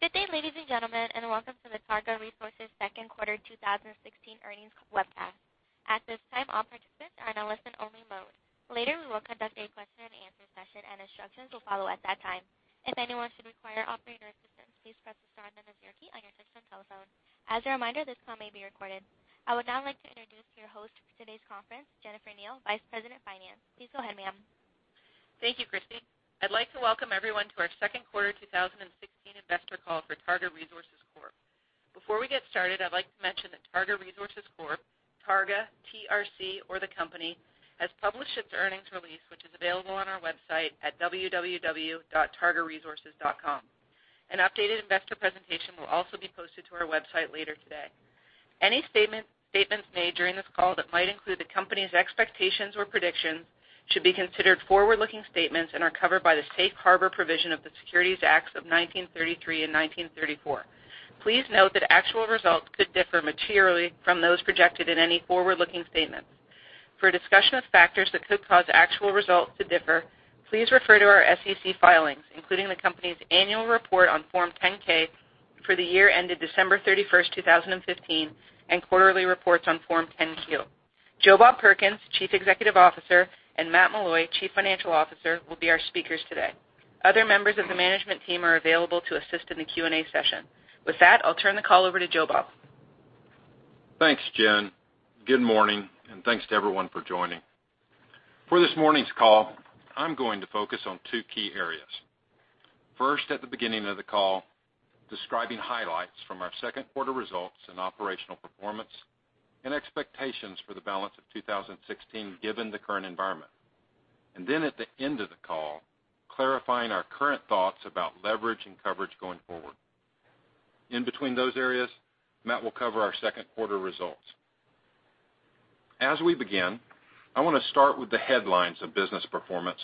Good day, ladies and gentlemen, and welcome to the Targa Resources second quarter 2016 earnings webcast. At this time, all participants are in a listen-only mode. Later, we will conduct a question and answer session, and instructions will follow at that time. If anyone should require operator assistance, please press the star then the zero key on your touchtone telephone. As a reminder, this call may be recorded. I would now like to introduce your host for today's conference, Jennifer Kneale, Vice President of Finance. Please go ahead, ma'am. Thank you, Christy. I'd like to welcome everyone to our second quarter 2016 investor call for Targa Resources Corp. Before we get started, I'd like to mention that Targa Resources Corp., Targa, TRC, or the company has published its earnings release, which is available on our website at www.targaresources.com. An updated investor presentation will also be posted to our website later today. Any statements made during this call that might include the company's expectations or predictions should be considered forward-looking statements and are covered by the safe harbor provision of the Securities Acts of 1933 and 1934. Please note that actual results could differ materially from those projected in any forward-looking statements. For a discussion of factors that could cause actual results to differ, please refer to our SEC filings, including the company's annual report on Form 10-K for the year ended December 31st, 2015, and quarterly reports on Form 10-Q. Joe Bob Perkins, Chief Executive Officer, and Matt Meloy, Chief Financial Officer, will be our speakers today. Other members of the management team are available to assist in the Q&A session. With that, I'll turn the call over to Joe Bob. Thanks, Jen. Thanks to everyone for joining. For this morning's call, I'm going to focus on two key areas. First, at the beginning of the call, describing highlights from our second quarter results and operational performance and expectations for the balance of 2016 given the current environment. Then at the end of the call, clarifying our current thoughts about leverage and coverage going forward. In between those areas, Matt will cover our second quarter results. As we begin, I want to start with the headlines of business performance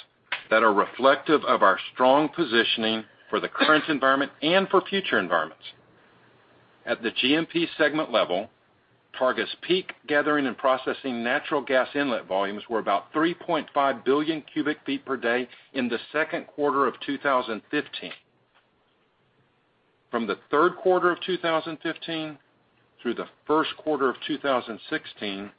that are reflective of our strong positioning for the current environment and for future environments. At the GMP segment level, Targa's peak gathering and processing natural gas inlet volumes were about 3.5 billion cubic feet per day in the second quarter of 2015. From the third quarter of 2015 through the first quarter of 2016,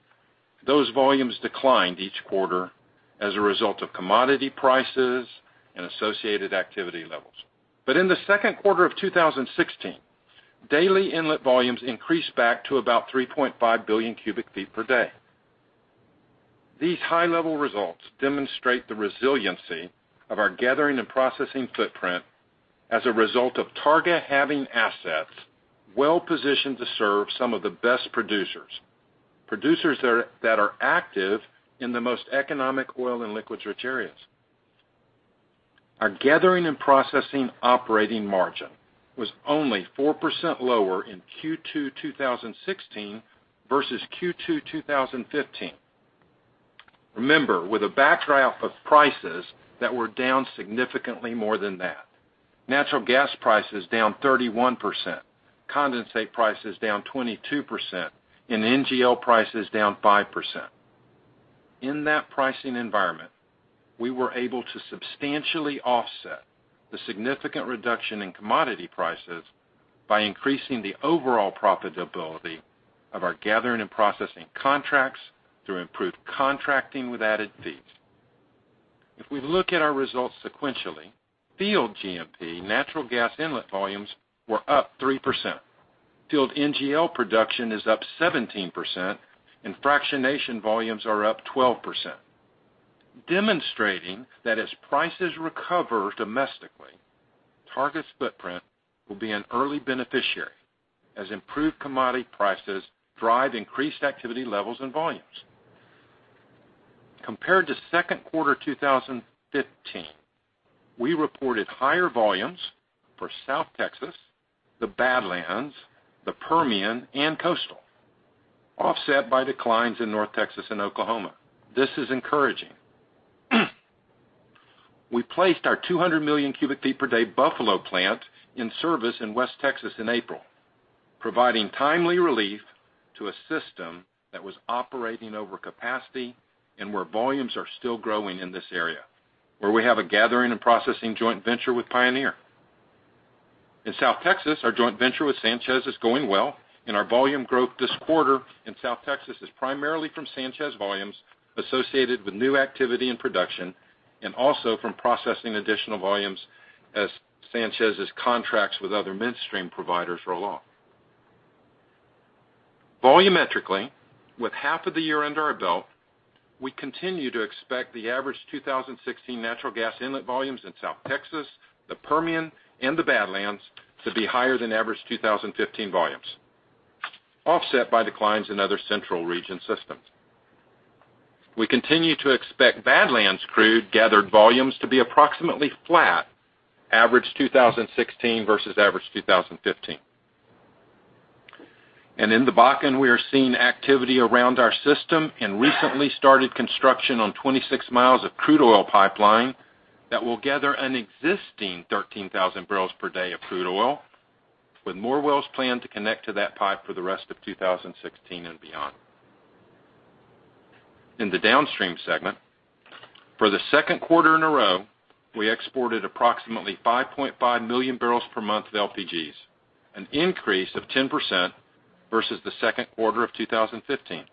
those volumes declined each quarter as a result of commodity prices and associated activity levels. In the second quarter of 2016, daily inlet volumes increased back to about 3.5 billion cubic feet per day. These high-level results demonstrate the resiliency of our gathering and processing footprint as a result of Targa having assets well-positioned to serve some of the best producers that are active in the most economic oil and liquids-rich areas. Our gathering and processing operating margin was only 4% lower in Q2 2016 versus Q2 2015. Remember, with a backdrop of prices that were down significantly more than that. Natural gas prices down 31%, condensate prices down 22%, and NGL prices down 5%. In that pricing environment, we were able to substantially offset the significant reduction in commodity prices by increasing the overall profitability of our gathering and processing contracts through improved contracting with added fees. If we look at our results sequentially, field GMP natural gas inlet volumes were up 3%. Field NGL production is up 17%, and fractionation volumes are up 12%, demonstrating that as prices recover domestically, Targa's footprint will be an early beneficiary as improved commodity prices drive increased activity levels and volumes. Compared to second quarter 2015, we reported higher volumes for South Texas, the Badlands, the Permian, and Coastal, offset by declines in North Texas and Oklahoma. This is encouraging. We placed our 200 million cubic feet per day Buffalo plant in service in West Texas in April, providing timely relief to a system that was operating over capacity and where volumes are still growing in this area, where we have a gathering and processing joint venture with Pioneer. In South Texas, our joint venture with Sanchez is going well, and our volume growth this quarter in South Texas is primarily from Sanchez volumes associated with new activity and production and also from processing additional volumes as Sanchez's contracts with other midstream providers roll off. Volumetrically, with half of the year under our belt, we continue to expect the average 2016 natural gas inlet volumes in South Texas, the Permian, and the Badlands to be higher than average 2015 volumes, offset by declines in other central region systems. We continue to expect Badlands crude gathered volumes to be approximately flat average 2016 versus average 2015. In the Bakken, we are seeing activity around our system and recently started construction on 26 miles of crude oil pipeline that will gather an existing 13,000 barrels per day of crude oil with more wells planned to connect to that pipe for the rest of 2016 and beyond. In the downstream segment, for the second quarter in a row, we exported approximately 5.5 million barrels per month of LPGs, an increase of 10% versus the second quarter of 2015.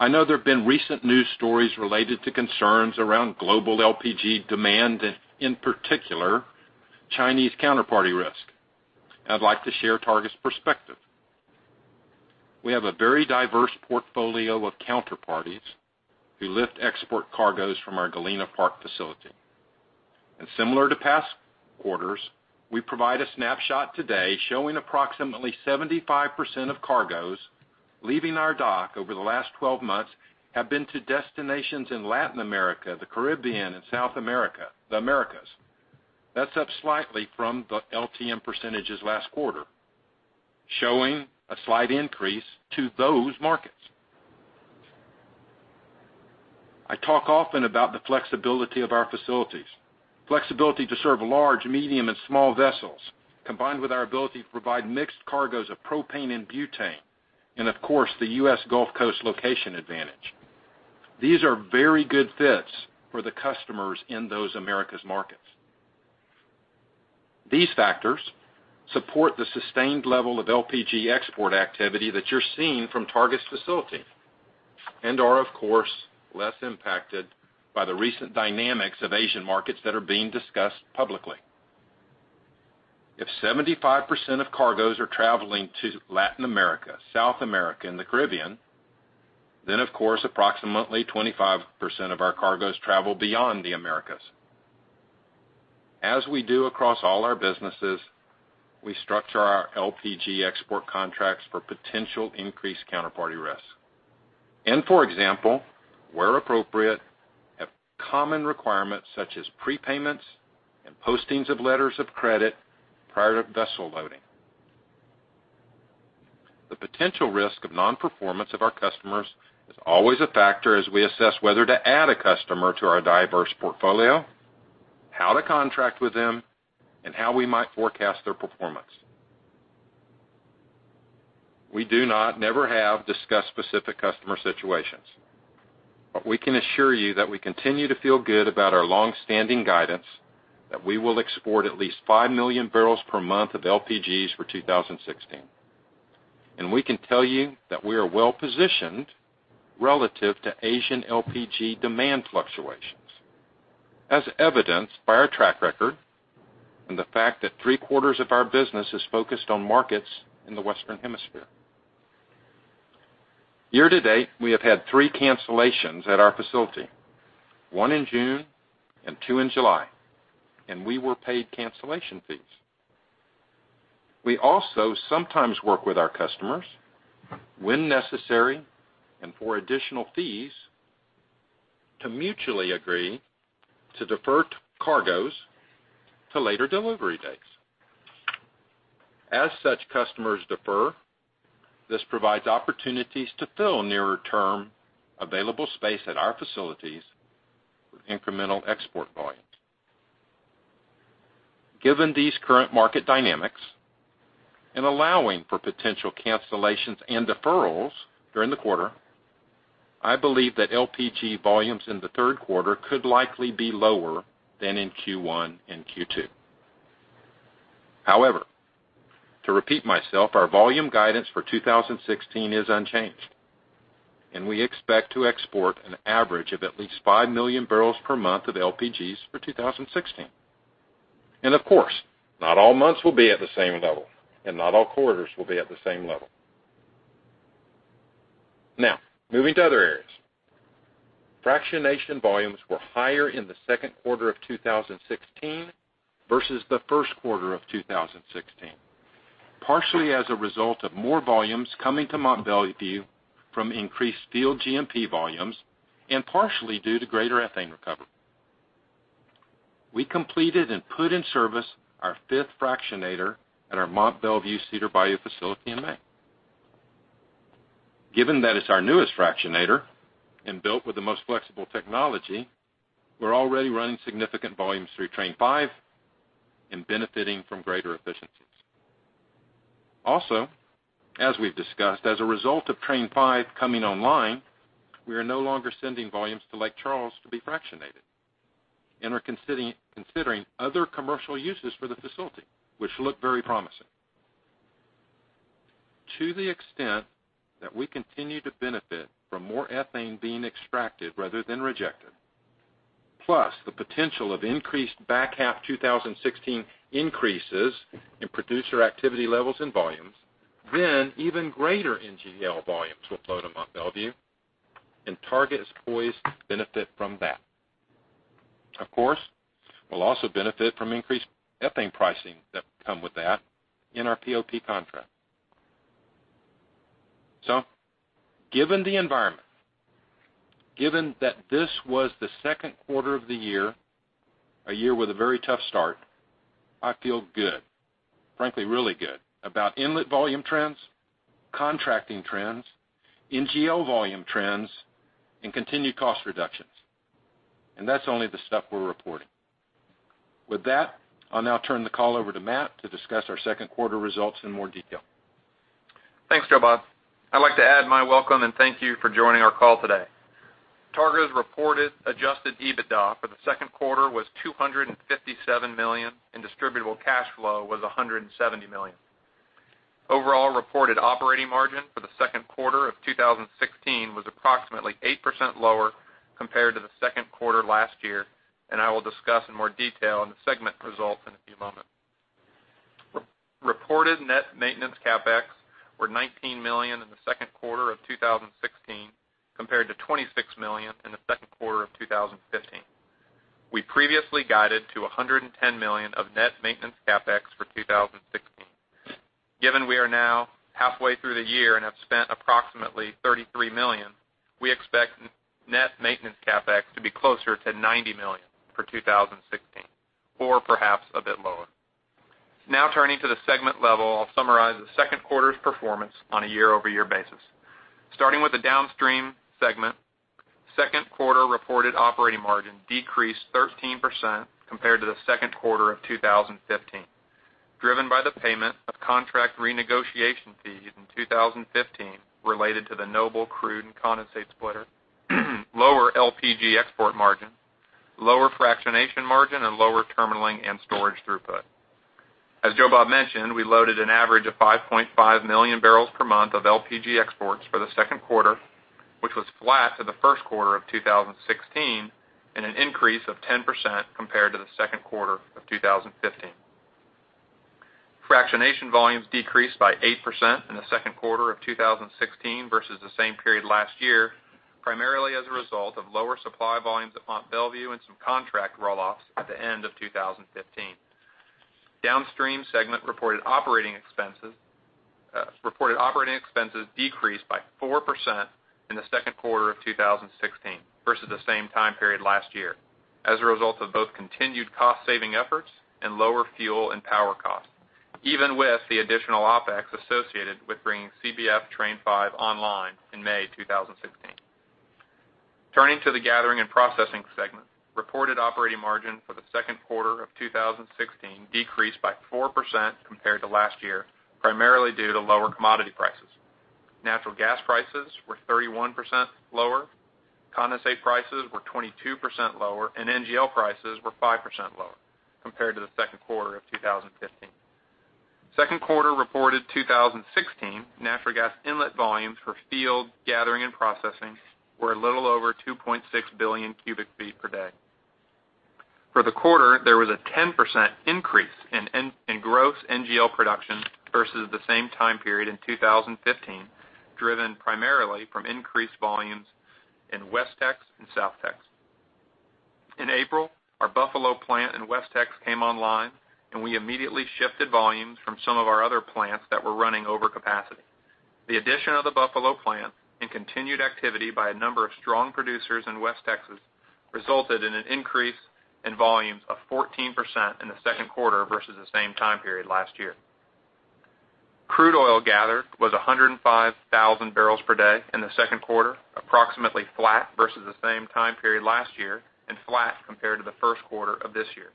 I know there have been recent news stories related to concerns around global LPG demand, in particular, Chinese counterparty risk. I'd like to share Targa's perspective. We have a very diverse portfolio of counterparties who lift export cargoes from our Galena Park facility. Similar to past quarters, we provide a snapshot today showing approximately 75% of cargoes leaving our dock over the last 12 months have been to destinations in Latin America, the Caribbean, and South America, the Americas. That's up slightly from the LTM percentages last quarter, showing a slight increase to those markets. I talk often about the flexibility of our facilities. Flexibility to serve large, medium, and small vessels, combined with our ability to provide mixed cargoes of propane and butane, and of course, the U.S. Gulf Coast location advantage. These are very good fits for the customers in those Americas markets. These factors support the sustained level of LPG export activity that you're seeing from Targa's facility and are, of course, less impacted by the recent dynamics of Asian markets that are being discussed publicly. If 75% of cargoes are traveling to Latin America, South America, and the Caribbean, then of course, approximately 25% of our cargoes travel beyond the Americas. As we do across all our businesses, we structure our LPG export contracts for potential increased counterparty risk. For example, where appropriate, have common requirements such as prepayments and postings of letters of credit prior to vessel loading. The potential risk of non-performance of our customers is always a factor as we assess whether to add a customer to our diverse portfolio, how to contract with them, and how we might forecast their performance. We do not, never have, discussed specific customer situations. But we can assure you that we continue to feel good about our longstanding guidance that we will export at least five million barrels per month of LPGs for 2016. And we can tell you that we are well-positioned relative to Asian LPG demand fluctuations, as evidenced by our track record and the fact that three-quarters of our business is focused on markets in the Western Hemisphere. Year to date, we have had three cancellations at our facility, one in June and two in July, and we were paid cancellation fees. We also sometimes work with our customers when necessary and for additional fees to mutually agree to defer cargoes to later delivery dates. As such customers defer, this provides opportunities to fill nearer term available space at our facilities with incremental export volumes. Given these current market dynamics, and allowing for potential cancellations and deferrals during the quarter, I believe that LPG volumes in the third quarter could likely be lower than in Q1 and Q2. To repeat myself, our volume guidance for 2016 is unchanged, and we expect to export an average of at least five million barrels per month of LPGs for 2016. Of course, not all months will be at the same level, and not all quarters will be at the same level. Moving to other areas. Fractionation volumes were higher in the second quarter of 2016 versus the first quarter of 2016, partially as a result of more volumes coming to Mont Belvieu from increased field GMP volumes, and partially due to greater ethane recovery. We completed and put in service our fifth fractionator at our Mont Belvieu Cedar Bayou facility in May. Given that it's our newest fractionator and built with the most flexible technology, we're already running significant volumes through Train 5 and benefiting from greater efficiencies. As we've discussed, as a result of Train 5 coming online, we are no longer sending volumes to Lake Charles to be fractionated and are considering other commercial uses for the facility, which look very promising. To the extent that we continue to benefit from more ethane being extracted rather than rejected, plus the potential of increased back half 2016 increases in producer activity levels and volumes, then even greater NGL volumes will flow to Mont Belvieu, and Targa is poised to benefit from that. Of course, we'll also benefit from increased ethane pricing that come with that in our POP contract. Given the environment, given that this was the second quarter of the year, a year with a very tough start, I feel good, frankly, really good, about inlet volume trends, contracting trends, NGL volume trends, and continued cost reductions. That's only the stuff we're reporting. With that, I'll now turn the call over to Matt to discuss our second quarter results in more detail. Thanks, Joe Bob. I'd like to add my welcome and thank you for joining our call today. Targa's reported adjusted EBITDA for the second quarter was $257 million, and distributable cash flow was $170 million. Overall reported operating margin for the second quarter of 2016 was approximately 8% lower compared to the second quarter last year. I will discuss in more detail on the segment results in a few moments. Reported net maintenance CapEx were $19 million in the second quarter of 2016, compared to $26 million in the second quarter of 2015. We previously guided to $110 million of net maintenance CapEx for 2016. Given we are now halfway through the year and have spent approximately $33 million, we expect net maintenance CapEx to be closer to $90 million for 2016, or perhaps a bit lower. Now turning to the segment level, I'll summarize the second quarter's performance on a year-over-year basis. Starting with the downstream segment, second quarter reported operating margin decreased 13% compared to the second quarter of 2015, driven by the payment of contract renegotiation fees in 2015 related to the Noble crude and condensate splitter, lower LPG export margin, lower fractionation margin, and lower terminalling and storage throughput. As Joe Bob mentioned, we loaded an average of 5.5 million barrels per month of LPG exports for the second quarter, which was flat to the first quarter of 2016, and an increase of 10% compared to the second quarter of 2015. Fractionation volumes decreased by 8% in the second quarter of 2016 versus the same period last year, primarily as a result of lower supply volumes at Mont Belvieu and some contract roll-offs at the end of 2015. Downstream segment reported operating expenses decreased by 4% in the second quarter of 2016 versus the same time period last year, as a result of both continued cost saving efforts and lower fuel and power costs, even with the additional OpEx associated with bringing CBF Train 5 online in May 2016. Turning to the gathering and processing segment. Reported operating margin for the second quarter of 2016 decreased by 4% compared to last year, primarily due to lower commodity prices. Natural gas prices were 31% lower, condensate prices were 22% lower, and NGL prices were 5% lower compared to the second quarter of 2015. Second quarter reported 2016 natural gas inlet volumes for field gathering and processing were a little over 2.6 billion cubic feet per day. For the quarter, there was a 10% increase in gross NGL production versus the same time period in 2015, driven primarily from increased volumes in West TX and South TX. In April, our Buffalo plant in West TX came online, and we immediately shifted volumes from some of our other plants that were running over capacity. The addition of the Buffalo plant and continued activity by a number of strong producers in West Texas resulted in an increase in volumes of 14% in the second quarter versus the same time period last year. Crude oil gathered was 105,000 barrels per day in the second quarter, approximately flat versus the same time period last year, and flat compared to the first quarter of this year.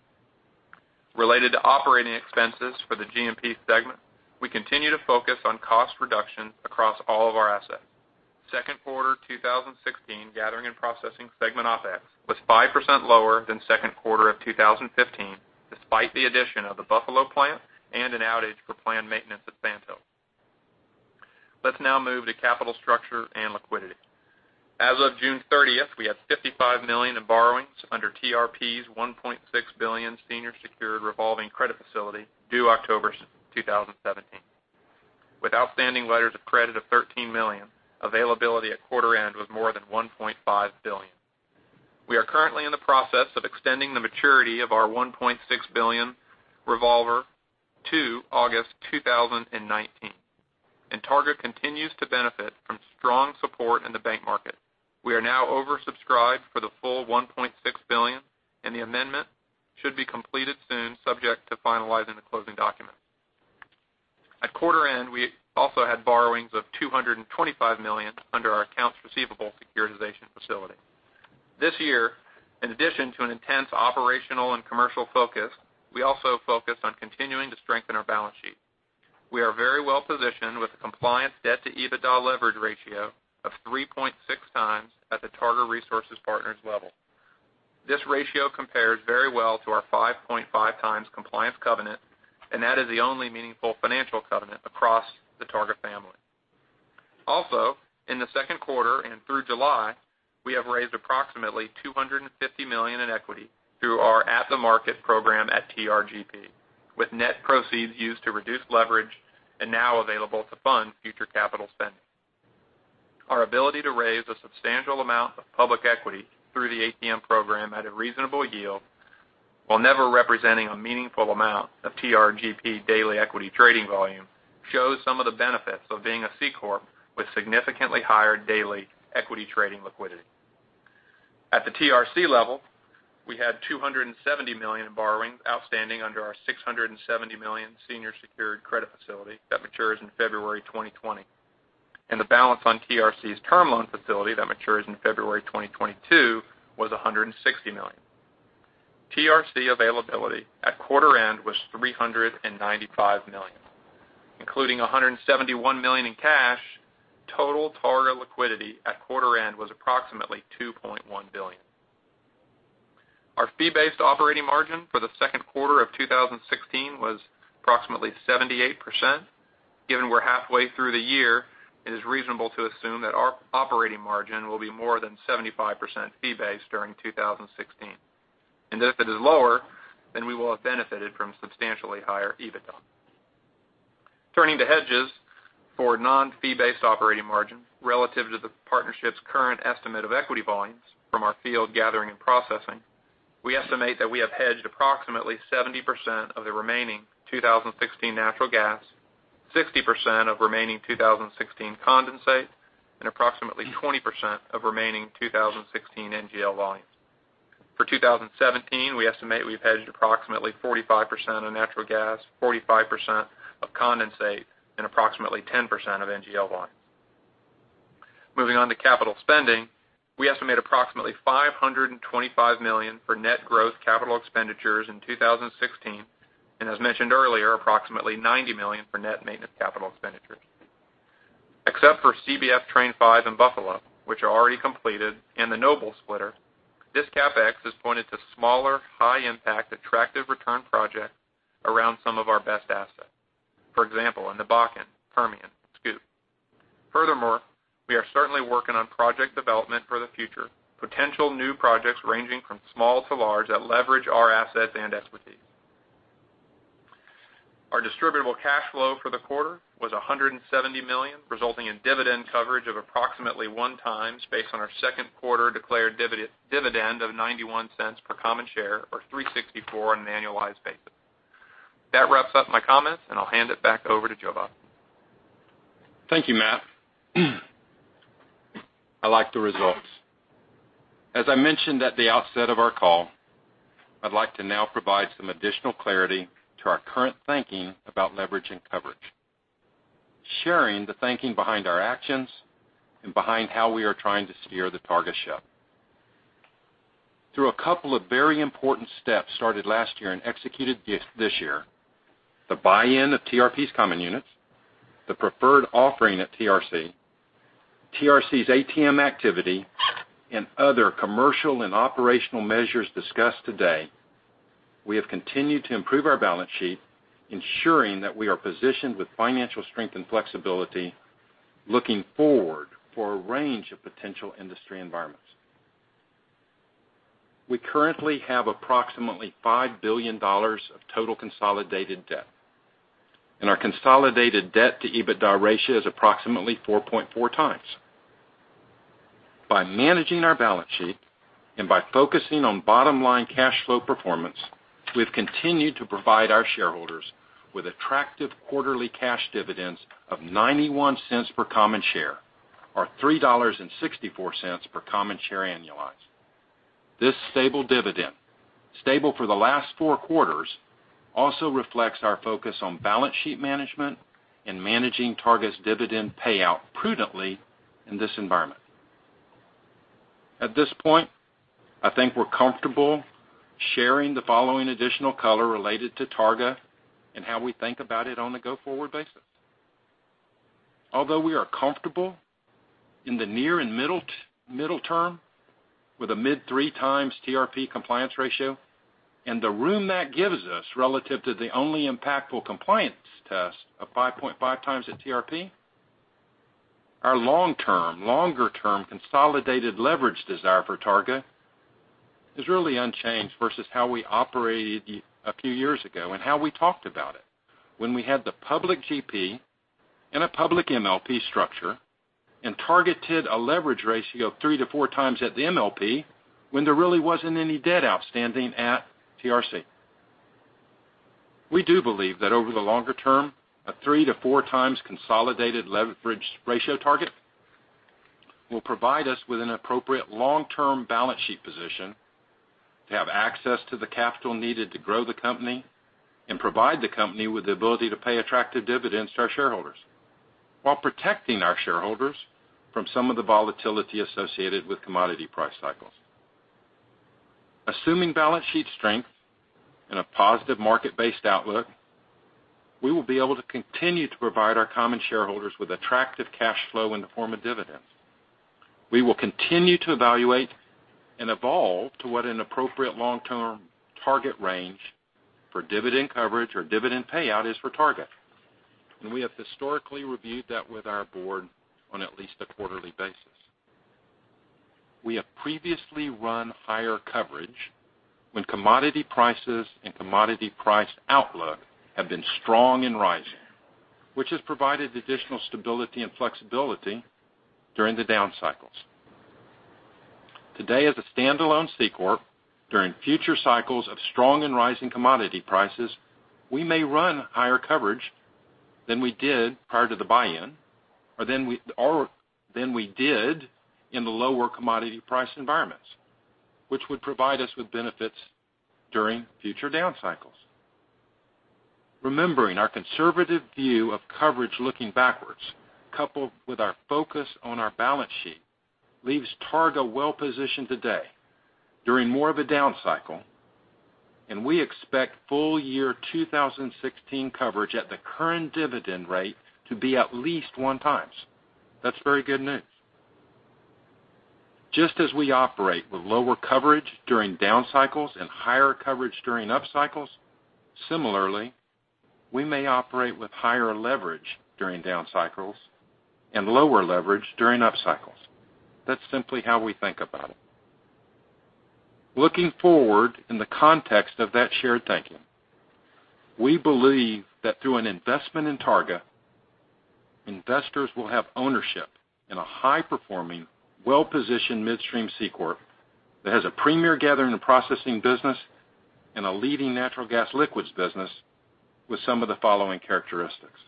Related to operating expenses for the G&P segment, we continue to focus on cost reduction across all of our assets. Second quarter 2016 gathering and processing segment OpEx was 5% lower than second quarter of 2015, despite the addition of the Buffalo plant and an outage for planned maintenance at Sandhill. Let's now move to capital structure and liquidity. As of June 30th, we have $55 million in borrowings under TRP's $1.6 billion senior secured revolving credit facility due October 2017. With outstanding letters of credit of $13 million, availability at quarter end was more than $1.5 billion. We are currently in the process of extending the maturity of our $1.6 billion revolver to August 2019, and Targa continues to benefit from strong support in the bank market. We are now oversubscribed for the full $1.6 billion, and the amendment should be completed soon, subject to finalizing the closing documents. At quarter end, we also had borrowings of $225 million under our accounts receivable securitization facility. This year, in addition to an intense operational and commercial focus, we also focused on continuing to strengthen our balance sheet. We are very well positioned with a compliance debt-to-EBITDA leverage ratio of 3.6 times at the Targa Resources Partners level. This ratio compares very well to our 5.5 times compliance covenant, and that is the only meaningful financial covenant across the Targa family. Also, in the second quarter and through July, we have raised approximately $250 million in equity through our at-the-market program at TRGP, with net proceeds used to reduce leverage and now available to fund future capital spending. Our ability to raise a substantial amount of public equity through the ATM program at a reasonable yield, while never representing a meaningful amount of TRGP daily equity trading volume, shows some of the benefits of being a C corp with significantly higher daily equity trading liquidity. At the TRC level, we had $270 million in borrowings outstanding under our $670 million senior secured credit facility that matures in February 2020. The balance on TRC's term loan facility that matures in February 2022 was $160 million. TRC availability at quarter end was $395 million. Including $171 million in cash, total Targa liquidity at quarter end was approximately $2.1 billion. Our fee-based operating margin for the second quarter of 2016 was approximately 78%. Given we're halfway through the year, it is reasonable to assume that our operating margin will be more than 75% fee based during 2016. If it is lower, then we will have benefited from substantially higher EBITDA. Turning to hedges for non-fee-based operating margin relative to the partnership's current estimate of equity volumes from our field gathering and processing, we estimate that we have hedged approximately 70% of the remaining 2016 natural gas, 60% of remaining 2016 condensate, and approximately 20% of remaining 2016 NGL volumes. For 2017, we estimate we've hedged approximately 45% of natural gas, 45% of condensate, and approximately 10% of NGL volume. Moving on to capital spending, we estimate approximately $525 million for net growth capital expenditures in 2016, and as mentioned earlier, approximately $90 million for net maintenance capital expenditures. Except for CBF Train 5 in Buffalo, which are already completed, and the Noble splitter, this CapEx is pointed to smaller, high impact, attractive return projects around some of our best assets. For example, in the Bakken, Permian, SCOOP. We are certainly working on project development for the future. Potential new projects ranging from small to large that leverage our assets and expertise. Our distributable cash flow for the quarter was $170 million, resulting in dividend coverage of approximately one times based on our second quarter declared dividend of $0.91 per common share, or $3.64 on an annualized basis. That wraps up my comments, and I'll hand it back over to Joe Bob. Thank you, Matt. I like the results. As I mentioned at the outset of our call, I'd like to now provide some additional clarity to our current thinking about leverage and coverage. Sharing the thinking behind our actions and behind how we are trying to steer the Targa ship. Through a couple of very important steps started last year and executed this year, the buy-in of TRP's common units, the preferred offering at TRC's ATM activity, and other commercial and operational measures discussed today, we have continued to improve our balance sheet, ensuring that we are positioned with financial strength and flexibility looking forward for a range of potential industry environments. We currently have approximately $5 billion of total consolidated debt. Our consolidated debt to EBITDA ratio is approximately 4.4 times. By managing our balance sheet and by focusing on bottom-line cash flow performance, we've continued to provide our shareholders with attractive quarterly cash dividends of $0.91 per common share or $3.64 per common share annualized. This stable dividend, stable for the last four quarters, also reflects our focus on balance sheet management and managing Targa's dividend payout prudently in this environment. At this point, I think we're comfortable sharing the following additional color related to Targa and how we think about it on a go-forward basis. We are comfortable in the near and middle term with a mid three times TRP compliance ratio and the room that gives us relative to the only impactful compliance test of 5.5 times at TRP, our long-term, longer-term consolidated leverage desire for Targa is really unchanged versus how we operated a few years ago and how we talked about it when we had the public GP and a public MLP structure and targeted a leverage ratio of three to four times at the MLP when there really wasn't any debt outstanding at TRC. We do believe that over the longer term, a three to four times consolidated leverage ratio target will provide us with an appropriate long-term balance sheet position to have access to the capital needed to grow the company and provide the company with the ability to pay attractive dividends to our shareholders while protecting our shareholders from some of the volatility associated with commodity price cycles. Assuming balance sheet strength and a positive market-based outlook, we will be able to continue to provide our common shareholders with attractive cash flow in the form of dividends. We will continue to evaluate and evolve to what an appropriate long-term target range for dividend coverage or dividend payout is for Targa. We have historically reviewed that with our board on at least a quarterly basis. We have previously run higher coverage when commodity prices and commodity price outlook have been strong and rising, which has provided additional stability and flexibility during the down cycles. Today as a standalone C corp, during future cycles of strong and rising commodity prices, we may run higher coverage than we did prior to the buy-in or than we did in the lower commodity price environments, which would provide us with benefits during future down cycles. Remembering our conservative view of coverage looking backwards, coupled with our focus on our balance sheet, leaves Targa well-positioned today during more of a down cycle, and we expect full year 2016 coverage at the current dividend rate to be at least one times. That's very good news. Just as we operate with lower coverage during down cycles and higher coverage during up cycles, similarly, we may operate with higher leverage during down cycles and lower leverage during up cycles. That's simply how we think about it. Looking forward in the context of that shared thinking, we believe that through an investment in Targa, investors will have ownership in a high-performing, well-positioned midstream C corp that has a premier gathering and processing business and a leading natural gas liquids business with some of the following characteristics.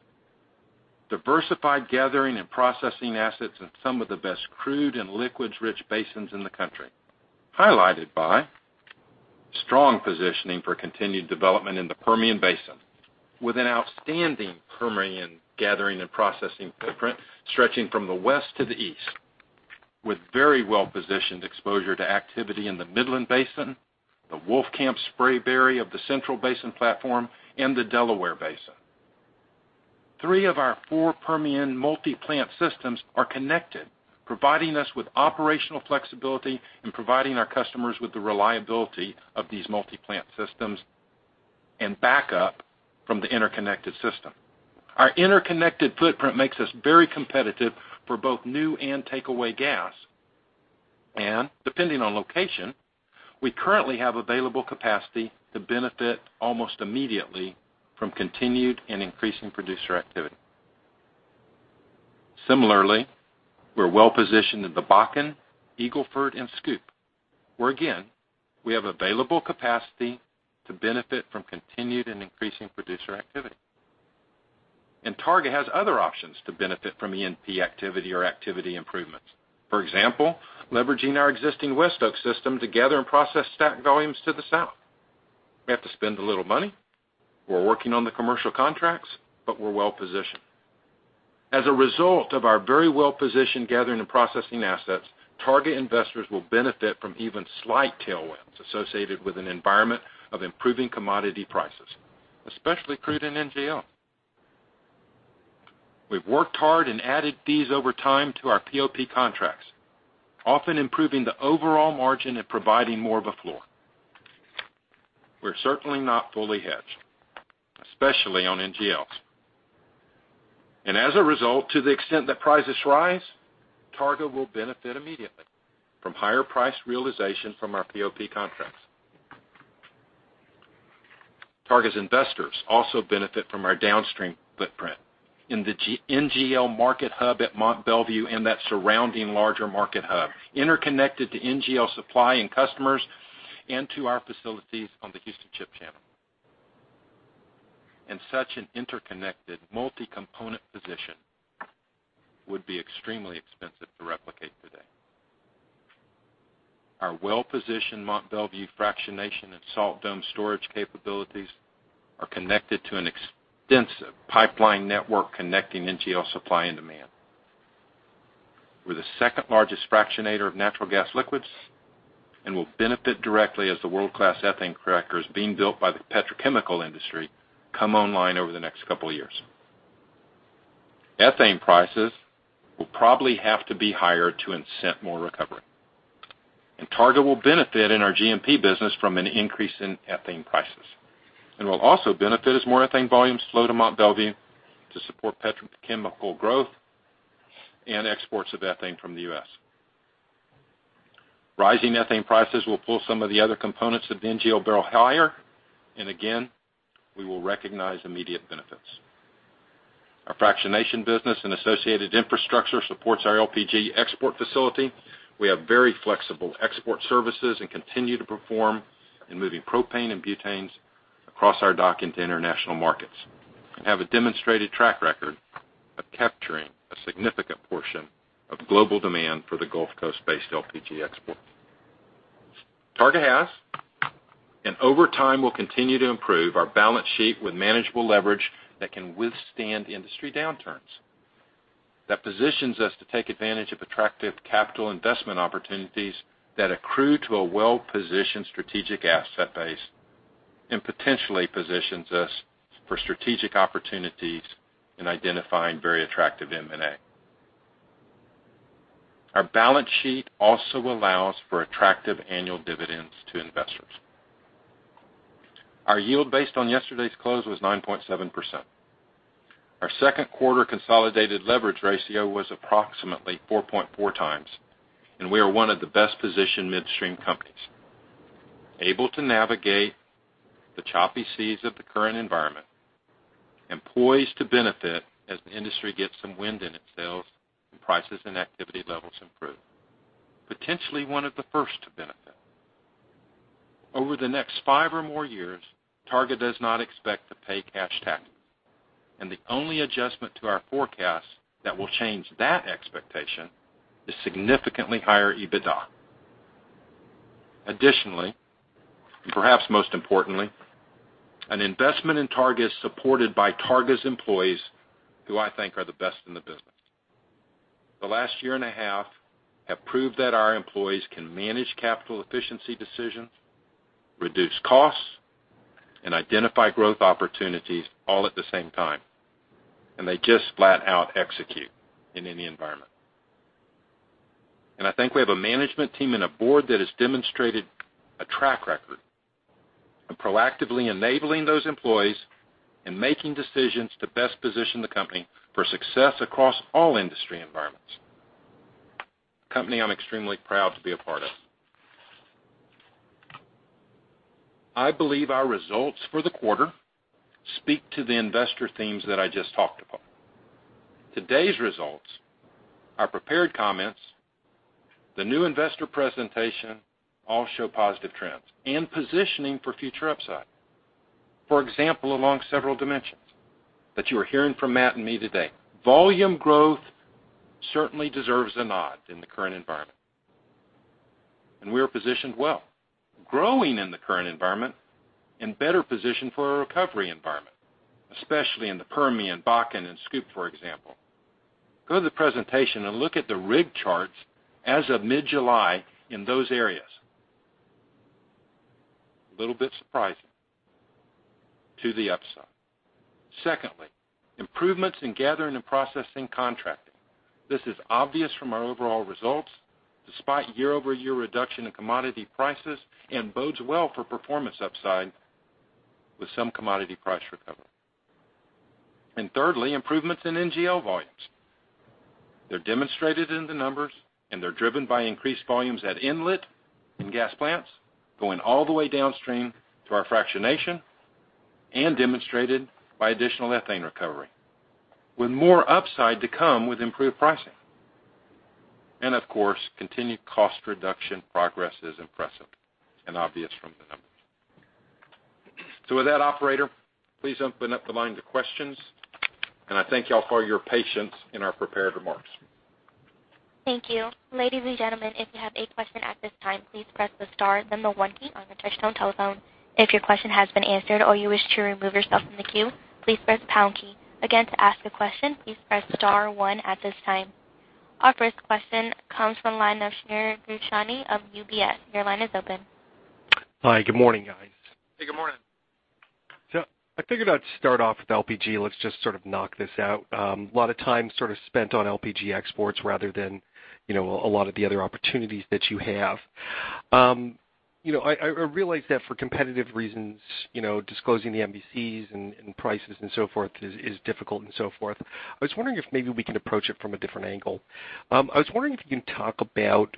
Diversified gathering and processing assets in some of the best crude and liquids-rich basins in the country, highlighted by strong positioning for continued development in the Permian Basin with an outstanding Permian gathering and processing footprint stretching from the west to the east, with very well-positioned exposure to activity in the Midland Basin, the Wolfcamp Spraberry of the Central Basin Platform, and the Delaware Basin. Three of our four Permian multi-plant systems are connected, providing us with operational flexibility and providing our customers with the reliability of these multi-plant systems and backup from the interconnected system. Our interconnected footprint makes us very competitive for both new and takeaway gas. Depending on location, we currently have available capacity to benefit almost immediately from continued and increasing producer activity. Similarly, we're well-positioned in the Bakken, Eagle Ford, and SCOOP, where again, we have available capacity to benefit from continued and increasing producer activity. Targa has other options to benefit from E&P activity or activity improvements. For example, leveraging our existing WestOK system to gather and process STACK volumes to the south. We have to spend a little money. We're working on the commercial contracts, but we're well-positioned. As a result of our very well-positioned gathering and processing assets, Targa investors will benefit from even slight tailwinds associated with an environment of improving commodity prices, especially crude and NGL. We've worked hard and added these over time to our POP contracts, often improving the overall margin and providing more of a floor. We're certainly not fully hedged, especially on NGLs. As a result, to the extent that prices rise, Targa will benefit immediately from higher price realization from our POP contracts. Targa's investors also benefit from our downstream footprint in the NGL market hub at Mont Belvieu and that surrounding larger market hub, interconnected to NGL supply and customers and to our facilities on the Houston Ship Channel. Such an interconnected multi-component position would be extremely expensive to replicate today. Our well-positioned Mont Belvieu fractionation and salt dome storage capabilities are connected to an extensive pipeline network connecting NGL supply and demand. We're the second largest fractionator of natural gas liquids and will benefit directly as the world-class ethane crackers being built by the petrochemical industry come online over the next couple of years. Ethane prices will probably have to be higher to incent more recovery. Targa will benefit in our GMP business from an increase in ethane prices and will also benefit as more ethane volumes flow to Mont Belvieu to support petrochemical growth and exports of ethane from the U.S. Rising ethane prices will pull some of the other components of the NGL barrel higher. Again, we will recognize immediate benefits. Our fractionation business and associated infrastructure supports our LPG export facility. We have very flexible export services and continue to perform in moving propane and butanes across our dock into international markets and have a demonstrated track record of capturing a significant portion of global demand for the Gulf Coast-based LPG export. Targa has and over time will continue to improve our balance sheet with manageable leverage that can withstand industry downturns. That positions us to take advantage of attractive capital investment opportunities that accrue to a well-positioned strategic asset base and potentially positions us for strategic opportunities in identifying very attractive M&A. Our balance sheet also allows for attractive annual dividends to investors. Our yield based on yesterday's close was 9.7%. Our second quarter consolidated leverage ratio was approximately 4.4 times. We are one of the best-positioned midstream companies, able to navigate the choppy seas of the current environment and poised to benefit as the industry gets some wind in its sails and prices and activity levels improve. Potentially one of the first to benefit. Over the next five or more years, Targa does not expect to pay cash taxes. The only adjustment to our forecast that will change that expectation is significantly higher EBITDA. Additionally, perhaps most importantly, an investment in Targa is supported by Targa's employees, who I think are the best in the business. The last year and a half have proved that our employees can manage capital efficiency decisions, reduce costs, and identify growth opportunities all at the same time, and they just flat out execute in any environment. I think we have a management team and a board that has demonstrated a track record of proactively enabling those employees and making decisions to best position the company for success across all industry environments. A company I'm extremely proud to be a part of. I believe our results for the quarter speak to the investor themes that I just talked about. Today's results, our prepared comments, the new investor presentation all show positive trends and positioning for future upside. For example, along several dimensions that you are hearing from Matt and me today. Volume growth certainly deserves a nod in the current environment. We are positioned well, growing in the current environment, and better positioned for a recovery environment, especially in the Permian, Bakken, and SCOOP, for example. Go to the presentation and look at the rig charts as of mid-July in those areas. A little bit surprising to the upside. Secondly, improvements in gathering and processing contracting. This is obvious from our overall results despite year-over-year reduction in commodity prices, and bodes well for performance upside with some commodity price recovery. Thirdly, improvements in NGL volumes. They're demonstrated in the numbers, they're driven by increased volumes at inlet in gas plants going all the way downstream through our fractionation and demonstrated by additional ethane recovery, with more upside to come with improved pricing. Of course, continued cost reduction progress is impressive and obvious from the numbers. With that, operator, please open up the line to questions, and I thank you all for your patience in our prepared remarks. Thank you. Ladies and gentlemen, if you have a question at this time, please press star then the one key on your touchtone telephone. If your question has been answered or you wish to remove yourself from the queue, please press the pound key. Again, to ask a question, please press star one at this time. Our first question comes from the line of Shneur Gershuni of UBS. Your line is open. Hi. Good morning, guys. Hey, good morning. I figured I'd start off with LPG. Let's just sort of knock this out. A lot of time sort of spent on LPG exports rather than a lot of the other opportunities that you have. I realize that for competitive reasons, disclosing the MVCs and prices and so forth is difficult and so forth. I was wondering if maybe we can approach it from a different angle. I was wondering if you can talk about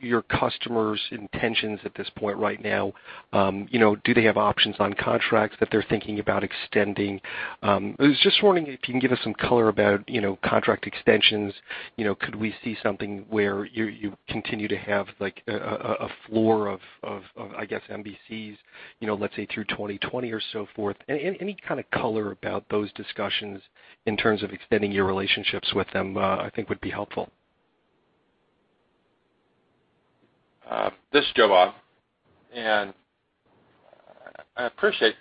your customers' intentions at this point right now. Do they have options on contracts that they're thinking about extending? I was just wondering if you can give us some color about contract extensions. Could we see something where you continue to have like a floor of, I guess, MVCs let's say through 2020 or so forth? Any kind of color about those discussions in terms of extending your relationships with them, I think would be helpful. This is Joe Bob. I appreciate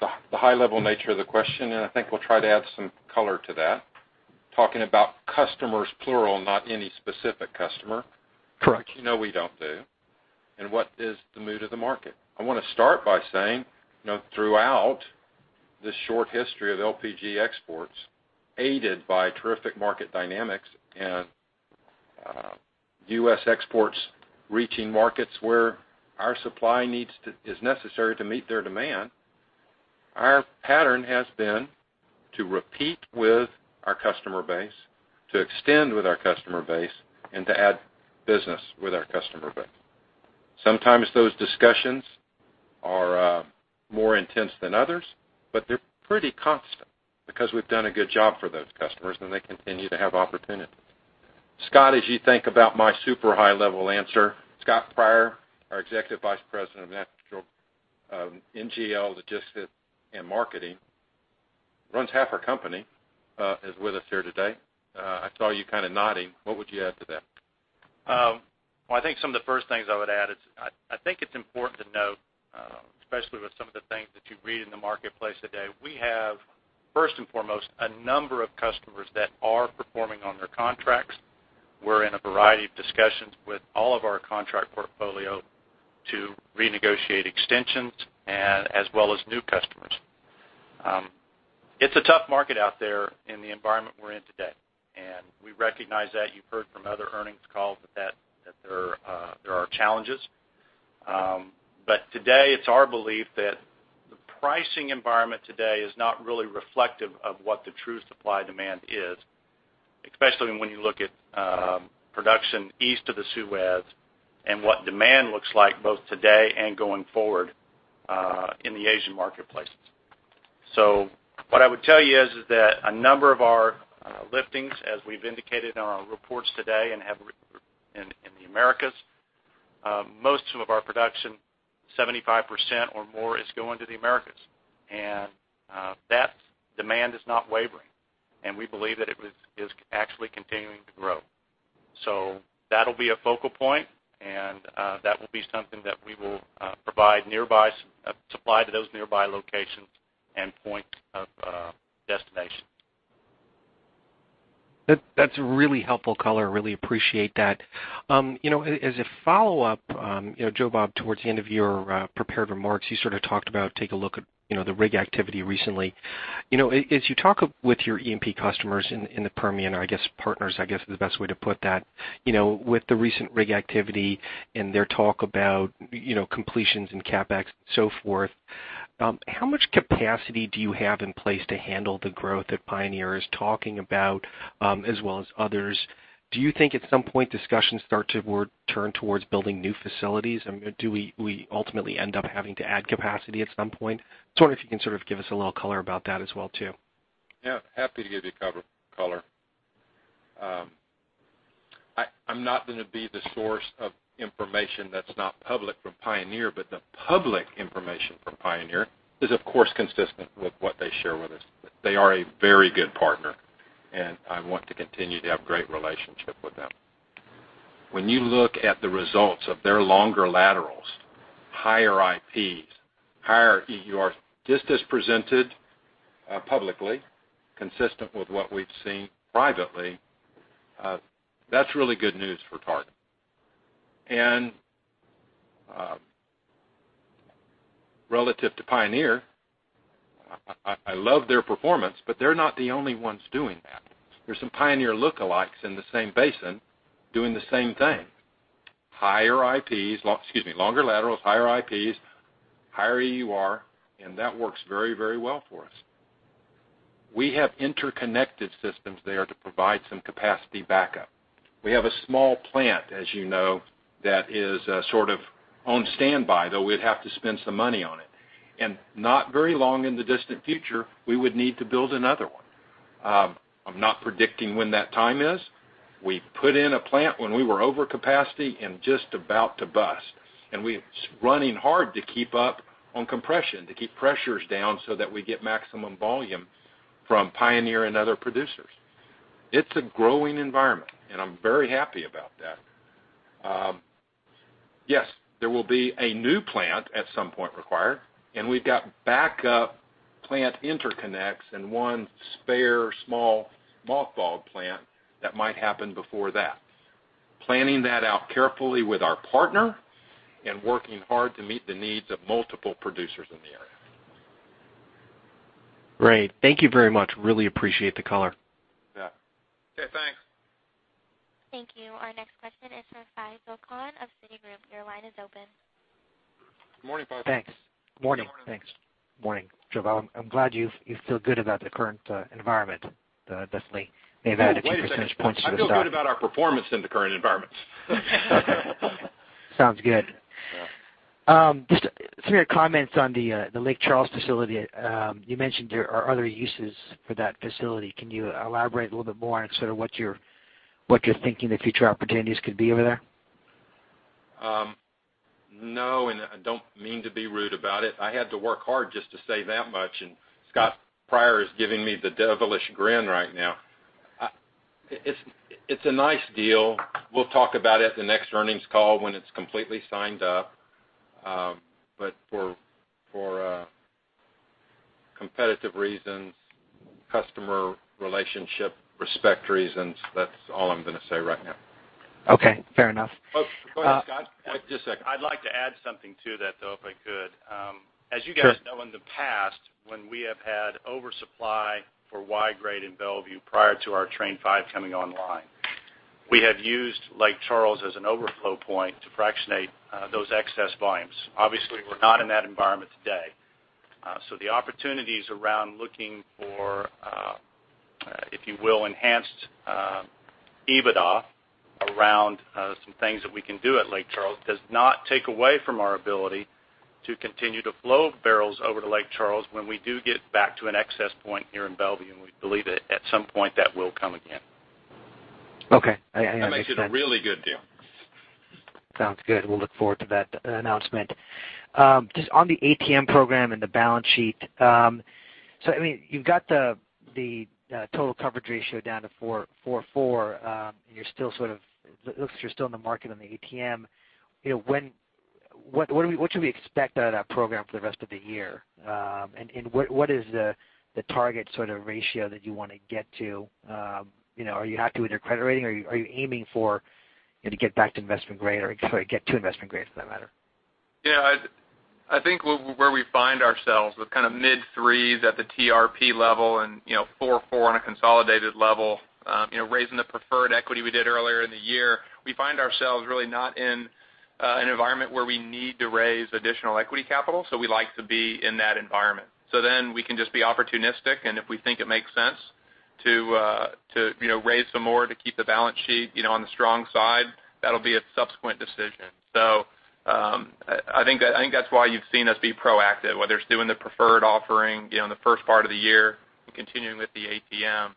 the high-level nature of the question, and I think we'll try to add some color to that. Talking about customers plural, not any specific customer. Correct. Which you know we don't do. What is the mood of the market? I want to start by saying throughout this short history of LPG exports, aided by terrific market dynamics and U.S. exports reaching markets where our supply is necessary to meet their demand, our pattern has been to repeat with our customer base, to extend with our customer base, and to add business with our customer base. Sometimes those discussions are more intense than others, but they're pretty constant because we've done a good job for those customers, and they continue to have opportunities. Scott, as you think about my super high-level answer, Scott Pryor, our Executive Vice President of Natural NGL Logistics and Marketing, runs half our company, is with us here today. I saw you kind of nodding. What would you add to that? Well, I think some of the first things I would add is I think it's important to note, especially with some of the things that you read in the marketplace today, we have, first and foremost, a number of customers that are performing on their contracts. We're in a variety of discussions with all of our contract portfolio to renegotiate extensions as well as new customers. It's a tough market out there in the environment we're in today, and we recognize that. You've heard from other earnings calls that there are challenges. Today it's our belief that the pricing environment today is not really reflective of what the true supply-demand is, especially when you look at production east of the Suez and what demand looks like both today and going forward, in the Asian marketplaces. What I would tell you is that a number of our liftings, as we've indicated in our reports today and in the Americas, most of our production, 75% or more is going to the Americas. That demand is not wavering. We believe that it is actually continuing to grow. That'll be a focal point, and that will be something that we will provide supply to those nearby locations and point of destination. That's a really helpful color. Really appreciate that. As a follow-up, Joe Bob, towards the end of your prepared remarks, you sort of talked about taking a look at the rig activity recently. As you talk with your E&P customers in the Permian, or partners, I guess, is the best way to put that. With the recent rig activity and their talk about completions and CapEx and so forth, how much capacity do you have in place to handle the growth that Pioneer is talking about, as well as others? Do you think at some point discussions start to turn towards building new facilities? Do we ultimately end up having to add capacity at some point? Just wondering if you can sort of give us a little color about that as well too. Yeah, happy to give you color. I'm not going to be the source of information that's not public from Pioneer, but the public information from Pioneer is, of course, consistent with what they share with us. They are a very good partner, and I want to continue to have great relationship with them. When you look at the results of their longer laterals, higher IPs, higher EUR, just as presented publicly, consistent with what we've seen privately, that's really good news for Targa. Relative to Pioneer, I love their performance, but they're not the only ones doing that. There's some Pioneer lookalikes in the same basin doing the same thing. Longer laterals, higher IPs, higher EUR, that works very well for us. We have interconnected systems there to provide some capacity backup. We have a small plant, as you know, that is sort of on standby, though we'd have to spend some money on it. Not very long in the distant future, we would need to build another one. I'm not predicting when that time is. We put in a plant when we were over capacity and just about to bust, and we're running hard to keep up on compression, to keep pressures down so that we get maximum volume from Pioneer and other producers. It's a growing environment, and I'm very happy about that. Yes, there will be a new plant at some point required, and we've got backup plant interconnects and one spare small mothballed plant that might happen before that. Planning that out carefully with our partner and working hard to meet the needs of multiple producers in the area. Great. Thank you very much. Really appreciate the color. Yeah. Okay, thanks. Thank you. Our next question is from Faisel Khan of Citigroup. Your line is open. Good morning, Faisel. Thanks. Morning. Good morning. Thanks. Morning, Joe Bob. I'm glad you feel good about the current environment. It definitely may have added a few percentage points to the stock. I feel good about our performance in the current environment. Okay. Sounds good. Yeah. Just some of your comments on the Lake Charles facility. You mentioned there are other uses for that facility. Can you elaborate a little bit more on sort of what you're thinking the future opportunities could be over there? No, I don't mean to be rude about it. I had to work hard just to say that much, Scott Pryor is giving me the devilish grin right now. It's a nice deal. We'll talk about it at the next earnings call when it's completely signed up. For competitive reasons, customer relationship respect reasons, that's all I'm going to say right now. Okay, fair enough. Oh, go ahead, Scott. Just a second. I'd like to add something to that, though, if I could. Sure. As you guys know, in the past, when we have had oversupply for Y-Grade in Mont Belvieu prior to our Train 5 coming online, we have used Lake Charles as an overflow point to fractionate those excess volumes. Obviously, we're not in that environment today. The opportunities around looking for, if you will, enhanced EBITDA around some things that we can do at Lake Charles does not take away from our ability to continue to flow barrels over to Lake Charles when we do get back to an excess point here in Mont Belvieu, we believe at some point that will come again. Okay. I understand. That makes it a really good deal. Sounds good. We'll look forward to that announcement. Just on the ATM program and the balance sheet. I mean, you've got the total coverage ratio down to 4.4. It looks like you're still in the market on the ATM. What should we expect out of that program for the rest of the year? What is the target sort of ratio that you want to get to? Are you happy with your credit rating, or are you aiming for to get back to investment grade or get to investment grade for that matter? Yeah, I think where we find ourselves with kind of mid 3s at the TRP level and 4 or 4 on a consolidated level. Raising the preferred equity we did earlier in the year. We find ourselves really not in an environment where we need to raise additional equity capital. We like to be in that environment. We can just be opportunistic, and if we think it makes sense to raise some more to keep the balance sheet on the strong side, that'll be a subsequent decision. I think that's why you've seen us be proactive, whether it's doing the preferred offering in the first part of the year and continuing with the ATM.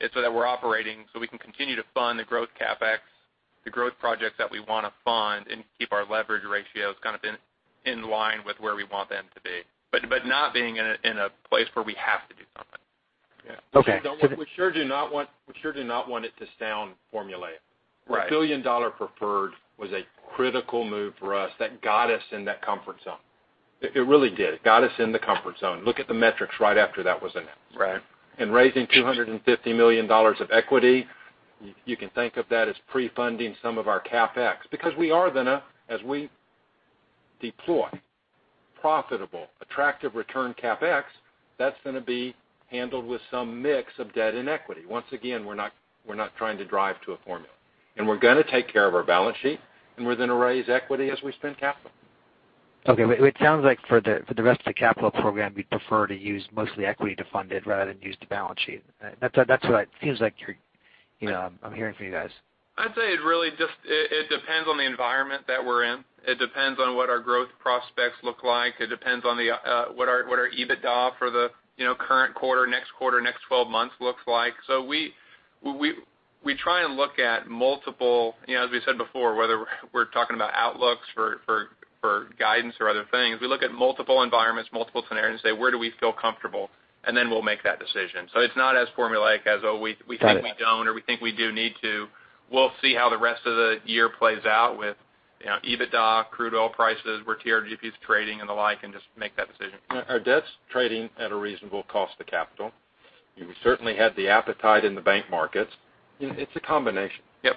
It's so that we're operating, so we can continue to fund the growth CapEx The growth projects that we want to fund and keep our leverage ratios kind of in line with where we want them to be, but not being in a place where we have to do something. Yeah. Okay. We sure do not want it to sound formulaic. Right. A billion-dollar preferred was a critical move for us that got us in that comfort zone. It really did. It got us in the comfort zone. Look at the metrics right after that was announced. Right. Raising $250 million of equity, you can think of that as pre-funding some of our CapEx, because we are going to, as we deploy profitable, attractive return CapEx, that's going to be handled with some mix of debt and equity. Once again, we're not trying to drive to a formula. We're going to take care of our balance sheet, and we're going to raise equity as we spend capital. Okay. It sounds like for the rest of the capital program, you'd prefer to use mostly equity to fund it rather than use the balance sheet. That's what it seems like I'm hearing from you guys. I'd say it really just depends on the environment that we're in. It depends on what our growth prospects look like. It depends on what our EBITDA for the current quarter, next quarter, next 12 months looks like. We try and look at multiple environments, multiple scenarios, and say, "Where do we feel comfortable?" Then we'll make that decision. It's not as formulaic as, oh, we think we don't or we think we do need to. We'll see how the rest of the year plays out with EBITDA, crude oil prices, where TRGP's trading and the like, and just make that decision. Our debt's trading at a reasonable cost to capital. You certainly had the appetite in the bank markets. It's a combination. Yep.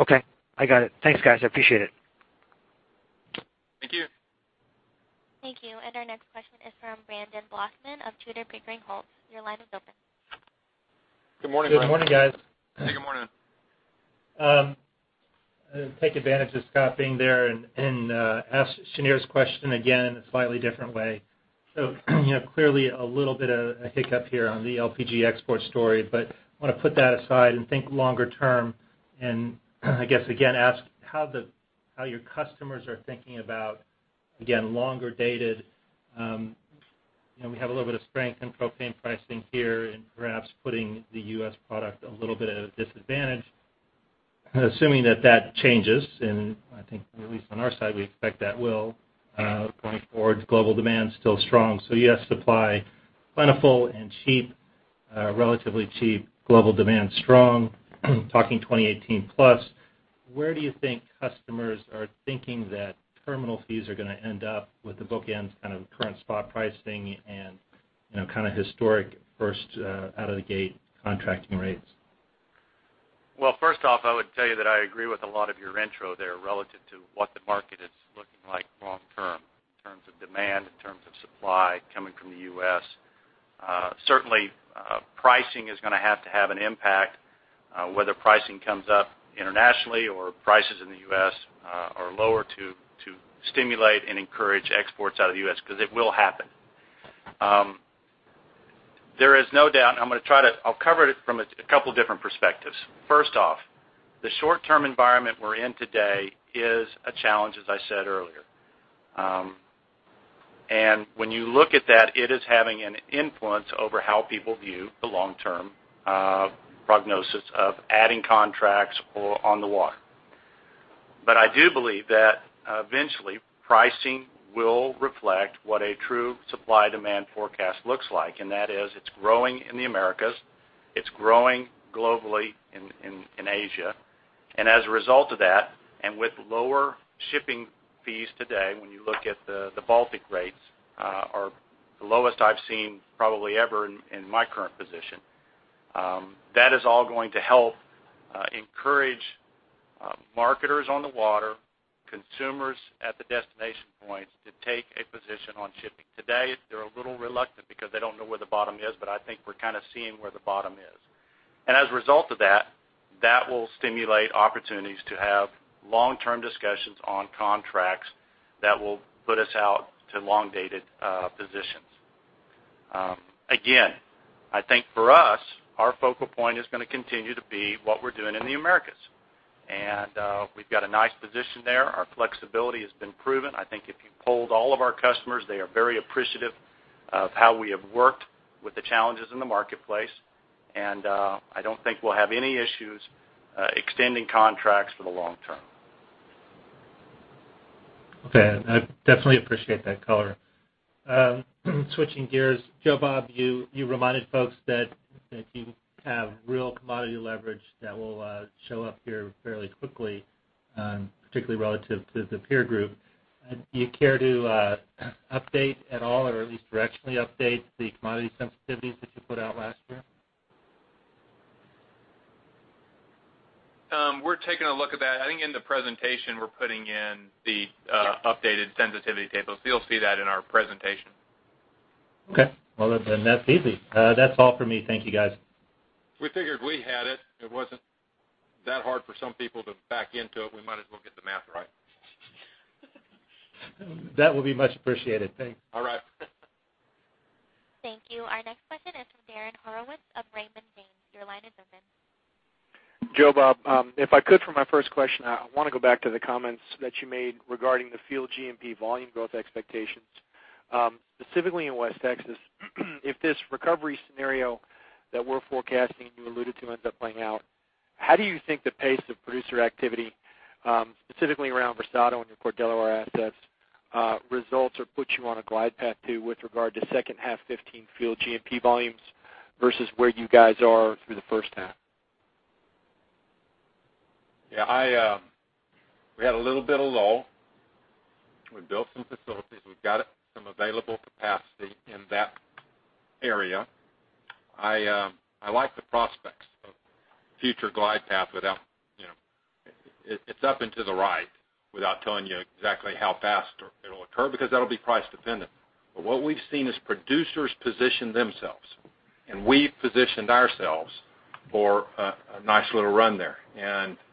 Okay, I got it. Thanks, guys. I appreciate it. Thank you. Thank you. Our next question is from Brandon Blossman of Tudor, Pickering, Holt. Your line is open. Good morning, Brandon. Good morning, guys. Hey, good morning. Take advantage of Scott being there and ask Shneur's question again in a slightly different way. Clearly a little bit of a hiccup here on the LPG export story, I want to put that aside and think longer term, I guess again, ask how your customers are thinking about, again, longer dated. We have a little bit of strength in propane pricing here and perhaps putting the U.S. product a little bit at a disadvantage. Assuming that that changes, I think at least on our side, we expect that will, going forward, global demand's still strong. Yes, supply plentiful and cheap, relatively cheap. Global demand strong. Talking 2018 plus. Where do you think customers are thinking that terminal fees are going to end up with the bookends kind of current spot pricing and kind of historic first out of the gate contracting rates? First off, I would tell you that I agree with a lot of your intro there relative to what the market is looking like long term in terms of demand, in terms of supply coming from the U.S. Certainly, pricing is going to have to have an impact, whether pricing comes up internationally or prices in the U.S. are lower to stimulate and encourage exports out of the U.S., because it will happen. There is no doubt. I'll cover it from a couple different perspectives. First off, the short-term environment we're in today is a challenge, as I said earlier. When you look at that, it is having an influence over how people view the long-term prognosis of adding contracts or on the water. I do believe that eventually pricing will reflect what a true supply-demand forecast looks like, and that is, it's growing in the Americas, it's growing globally in Asia. As a result of that, and with lower shipping fees today, when you look at the Baltic rates, are the lowest I've seen probably ever in my current position. That is all going to help encourage marketers on the water, consumers at the destination points, to take a position on shipping. Today, they're a little reluctant because they don't know where the bottom is, but I think we're kind of seeing where the bottom is. As a result of that will stimulate opportunities to have long-term discussions on contracts that will put us out to long-dated positions. Again, I think for us, our focal point is going to continue to be what we're doing in the Americas. We've got a nice position there. Our flexibility has been proven. I think if you polled all of our customers, they are very appreciative of how we have worked with the challenges in the marketplace, and I don't think we'll have any issues extending contracts for the long term. Okay. I definitely appreciate that color. Switching gears, Joe Bob, you reminded folks that you have real commodity leverage that will show up here fairly quickly, particularly relative to the peer group. Do you care to update at all or at least directionally update the commodity sensitivities that you put out last year? We're taking a look at that. I think in the presentation, we're putting in the updated sensitivity tables. You'll see that in our presentation. Okay. Well, then that's easy. That's all for me. Thank you guys. We figured we had it. It wasn't that hard for some people to back into it. We might as well get the math right. That will be much appreciated. Thanks. All right. Thank you. Our next question is from Darren Horowitz of Raymond James. Your line is open. Joe Bob, if I could for my first question, I want to go back to the comments that you made regarding the field GMP volume growth expectations. Specifically in West Texas, if this recovery scenario that we're forecasting and you alluded to ends up playing out, how do you think the pace of producer activity, specifically around Versado and your Cordella assets, results or puts you on a glide path too with regard to second half 2015 field GMP volumes versus where you guys are through the first half? Yeah. We had a little bit of lull. We built some facilities. We've got some available capacity in that area. I like the prospects of future glide path. It's up and to the right without telling you exactly how fast it'll occur, because that'll be price dependent. What we've seen is producers position themselves, and we've positioned ourselves for a nice little run there.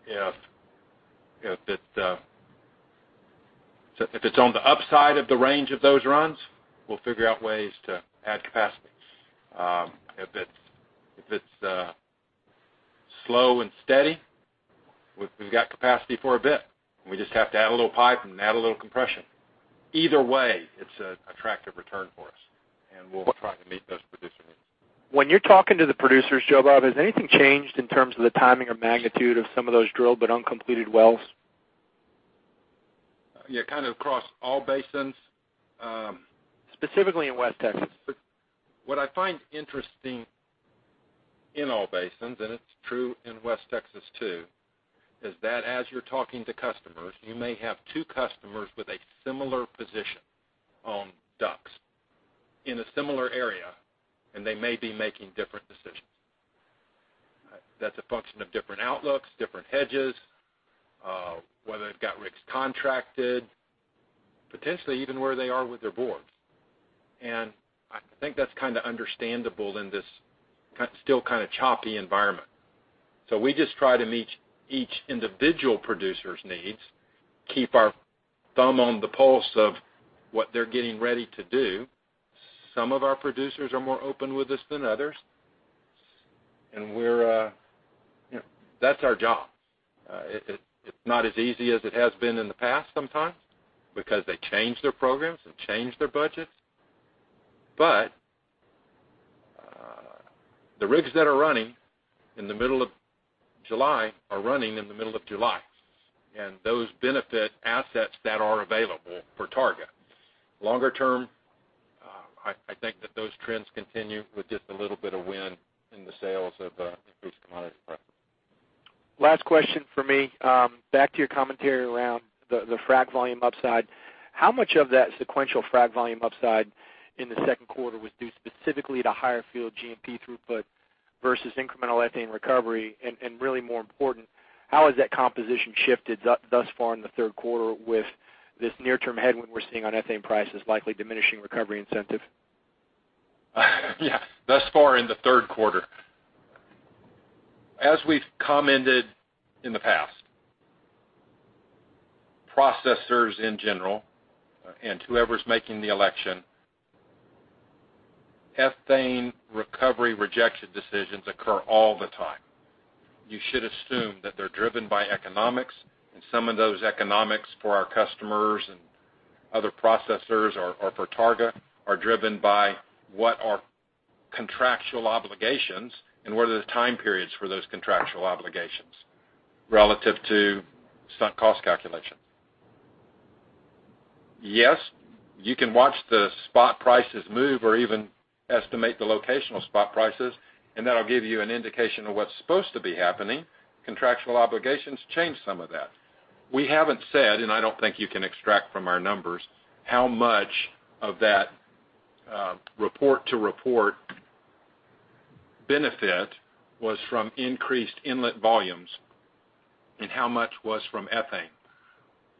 If it's on the upside of the range of those runs, we'll figure out ways to add capacity. If it's slow and steady, we've got capacity for a bit, and we just have to add a little pipe and add a little compression. Either way, it's an attractive return for us, and we'll try to meet those producer needs. When you're talking to the producers, Joe Bob, has anything changed in terms of the timing or magnitude of some of those drilled but uncompleted wells? Yeah, kind of across all basins? Specifically in West Texas. What I find interesting in all basins, it's true in West Texas too, is that as you're talking to customers, you may have two customers with a similar position on DUCs in a similar area, and they may be making different decisions. That's a function of different outlooks, different hedges, whether they've got rigs contracted. Potentially, even where they are with their boards. I think that's kind of understandable in this still kind of choppy environment. We just try to meet each individual producer's needs, keep our thumb on the pulse of what they're getting ready to do. Some of our producers are more open with us than others. That's our job. It's not as easy as it has been in the past sometimes because they change their programs and change their budgets. The rigs that are running in the middle of July are running in the middle of July. Those benefit assets that are available for Targa. Longer term, I think that those trends continue with just a little bit of wind in the sails of increased commodity prices. Last question from me. Back to your commentary around the frack volume upside. How much of that sequential frack volume upside in the second quarter was due specifically to higher field GMP throughput versus incremental ethane recovery? Really more important, how has that composition shifted thus far in the third quarter with this near-term headwind we're seeing on ethane prices likely diminishing recovery incentive? Yeah. Thus far in the third quarter. As we've commented in the past, processors in general, and whoever's making the election, ethane recovery rejection decisions occur all the time. You should assume that they're driven by economics and some of those economics for our customers and other processors or for Targa are driven by what are contractual obligations and what are the time periods for those contractual obligations relative to sunk cost calculations. Yes, you can watch the spot prices move or even estimate the locational spot prices, and that'll give you an indication of what's supposed to be happening. Contractual obligations change some of that. We haven't said, and I don't think you can extract from our numbers, how much of that report to report benefit was from increased inlet volumes and how much was from ethane.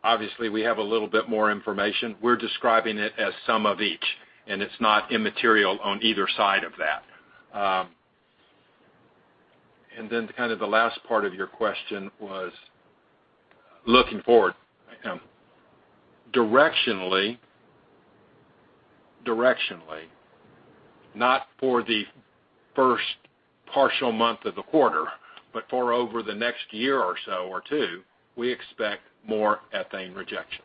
Obviously, we have a little bit more information. We're describing it as some of each, and it's not immaterial on either side of that. Kind of the last part of your question was looking forward. Directionally, not for the first partial month of the quarter, but for over the next year or so or two, we expect more ethane rejection.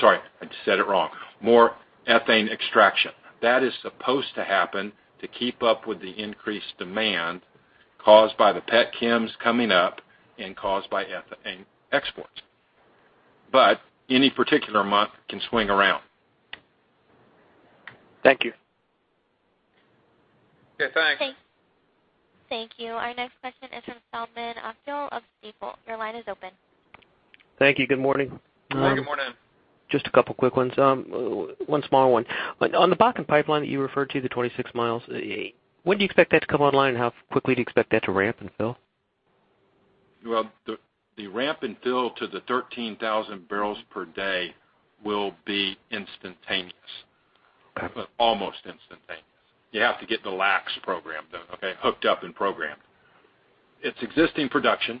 Sorry, I said it wrong. More ethane extraction. That is supposed to happen to keep up with the increased demand caused by the pet chems coming up and caused by ethane exports. Any particular month can swing around. Thank you. Okay, thanks. Thank you. Our next question is from Selman Akyol of Stifel. Your line is open. Thank you. Good morning. Good morning. Just a couple of quick ones. One small one. On the Bakken pipeline that you referred to, the 26 miles, when do you expect that to come online, and how quickly do you expect that to ramp and fill? Well, the ramp and fill to the 13,000 barrels per day will be instantaneous. Okay. Almost instantaneous. You have to get the LACT program done, okay? Hooked up and programmed. It's existing production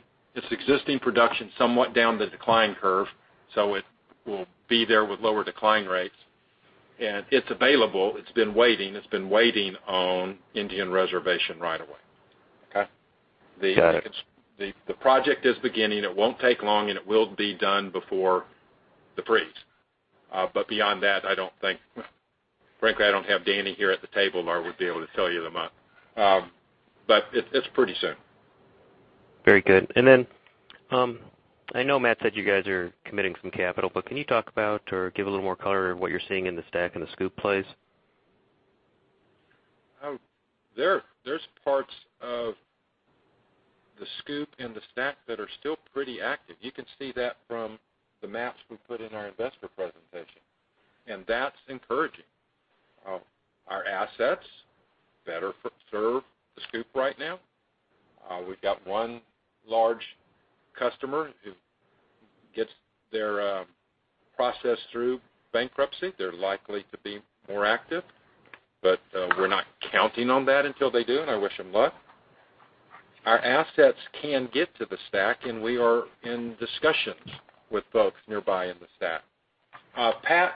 somewhat down the decline curve, so it will be there with lower decline rates. It's available. It's been waiting on Indian Reservation right-of-way. Okay. Got it. The project is beginning. It won't take long, and it will be done before the freeze. Beyond that, frankly, I don't have Danny here at the table, or I would be able to tell you the month. It's pretty soon. Very good. Then, I know Matt said you guys are committing some capital, can you talk about or give a little more color on what you're seeing in the STACK and the SCOOP plays? There's parts of the SCOOP and the STACK that are still pretty active. You can see that from the maps we put in our investor presentation. That's encouraging. Our assets better serve the SCOOP right now. We've got one large customer who gets their process through bankruptcy. They're likely to be more active. We're not counting on that until they do, and I wish them luck. Our assets can get to the STACK, and we are in discussions with folks nearby in the STACK. Pat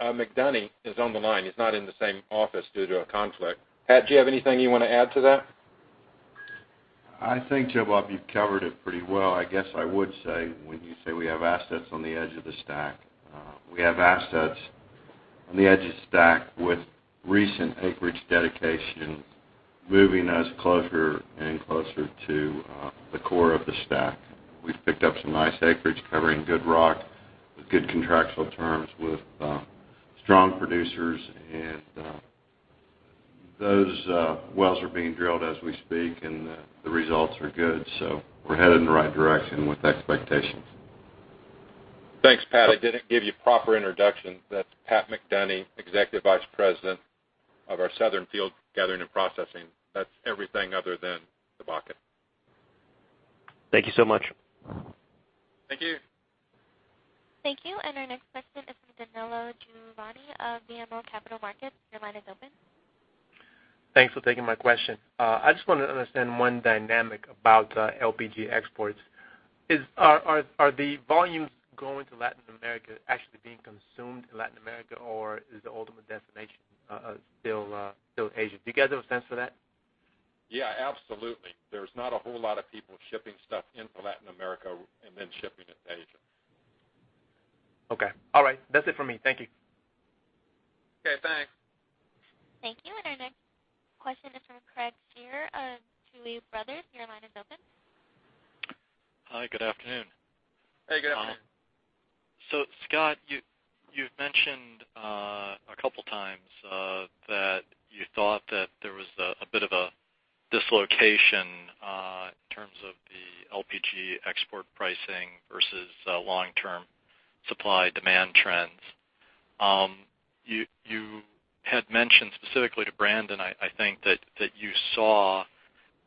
McDonie is on the line. He's not in the same office due to a conflict. Pat, do you have anything you want to add to that? I think, Joe Bob, you've covered it pretty well. I guess I would say, when you say we have assets on the edge of the STACK, we have assets on the edge of STACK with recent acreage dedication, moving us closer and closer to the core of the STACK. We've picked up some nice acreage covering good rock with good contractual terms with strong producers, those wells are being drilled as we speak, the results are good. We're headed in the right direction with expectations. Thanks, Pat. I didn't give you a proper introduction. That's Pat McDonie, Executive Vice President of our Southern Field Gathering & Processing. That's everything other than the Bakken. Thank you so much. Thank you. Thank you. Our next question is from Danilo Juvane of BMO Capital Markets. Your line is open. Thanks for taking my question. I just want to understand one dynamic about LPG exports. Are the volumes going to Latin America actually being consumed in Latin America, or is the ultimate destination still Asia? Do you guys have a sense for that? Yeah, absolutely. There's not a whole lot of people shipping stuff into Latin America and then shipping it to Asia. Okay. All right. That's it for me. Thank you. Okay, thanks. Thank you. Our next question is from Craig Shere of Tuohy Brothers. Your line is open. Hi, good afternoon. Hey, good afternoon. Scott, you've mentioned a couple times that you thought that there was a bit of a dislocation in terms of the LPG export pricing versus long-term supply demand trends. You had mentioned specifically to Brandon, I think, that you saw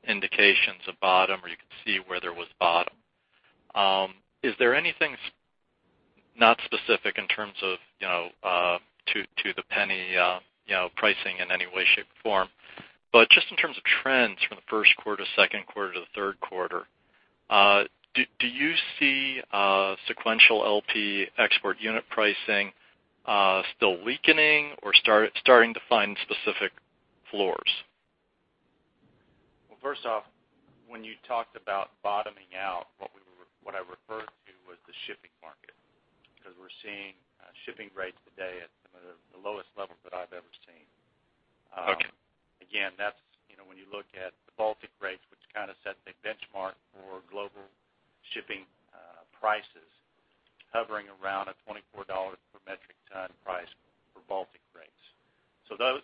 indications of bottom, or you could see where there was bottom. Is there anything, not specific in terms of to the penny pricing in any way, shape, or form, but just in terms of trends from the first quarter, second quarter to the third quarter, do you see sequential LP export unit pricing still weakening or starting to find specific floors? Well, first off, when you talked about bottoming out, what I referred to was the shipping market because we're seeing shipping rates today at some of the lowest levels that I've ever seen. Okay. Again, that's when you look at the Baltic rates, which kind of set the benchmark for global shipping prices hovering around a $24 per metric ton price for Baltic rates.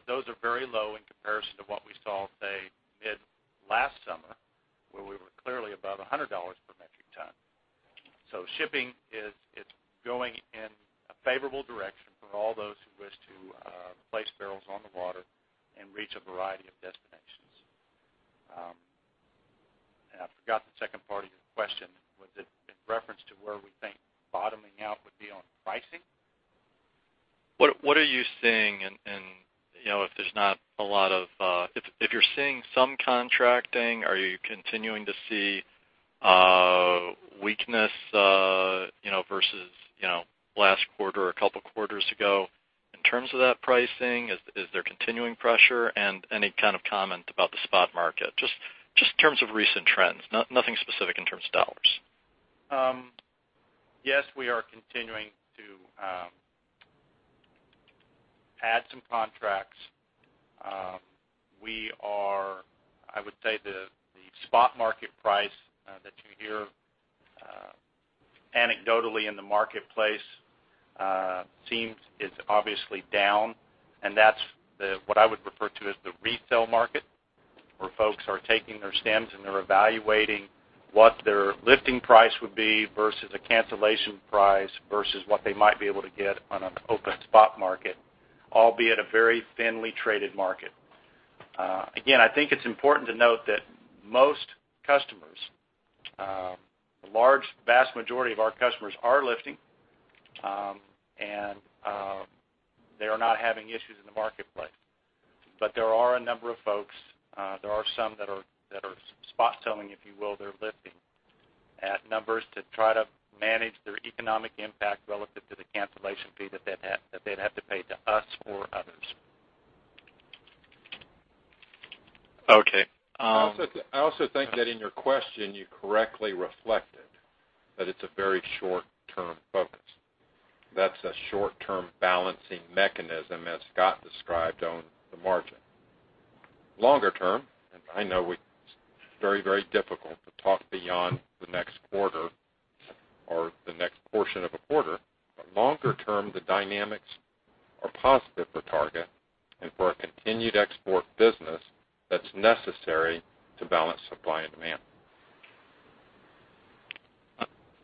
Those are very low in comparison to what we saw, say, mid last summer, where we were clearly above $100 per metric ton. Shipping is going in a favorable direction for all those who wish to place barrels on the water and reach a variety of destinations. I forgot the second part of your question. Was it in reference to where we think bottoming out would be on pricing? What are you seeing if you're seeing some contracting, are you continuing to see weakness versus last quarter or a couple quarters ago in terms of that pricing? Is there continuing pressure and any kind of comment about the spot market? Just in terms of recent trends, nothing specific in terms of dollars. Yes, we are continuing to add some contracts. I would say the spot market price that you hear anecdotally in the marketplace seems is obviously down, and that's what I would refer to as the resale market, where folks are taking their stands and they're evaluating what their lifting price would be versus a cancellation price versus what they might be able to get on an open spot market, albeit a very thinly traded market. Again, I think it's important to note that most customers, a large vast majority of our customers are lifting, and they are not having issues in the marketplace. There are a number of folks, there are some that are spot selling, if you will. They're lifting at numbers to try to manage their economic impact relative to the cancellation fee that they'd have to pay to us or others. Okay. I also think that in your question, you correctly reflected that it's a very short-term focus. That's a short-term balancing mechanism, as Scott described, on the margin. Longer term, I know it's very difficult to talk beyond the next quarter or the next portion of a quarter, but longer term, the dynamics are positive for Targa and for a continued export business that's necessary to balance supply and demand.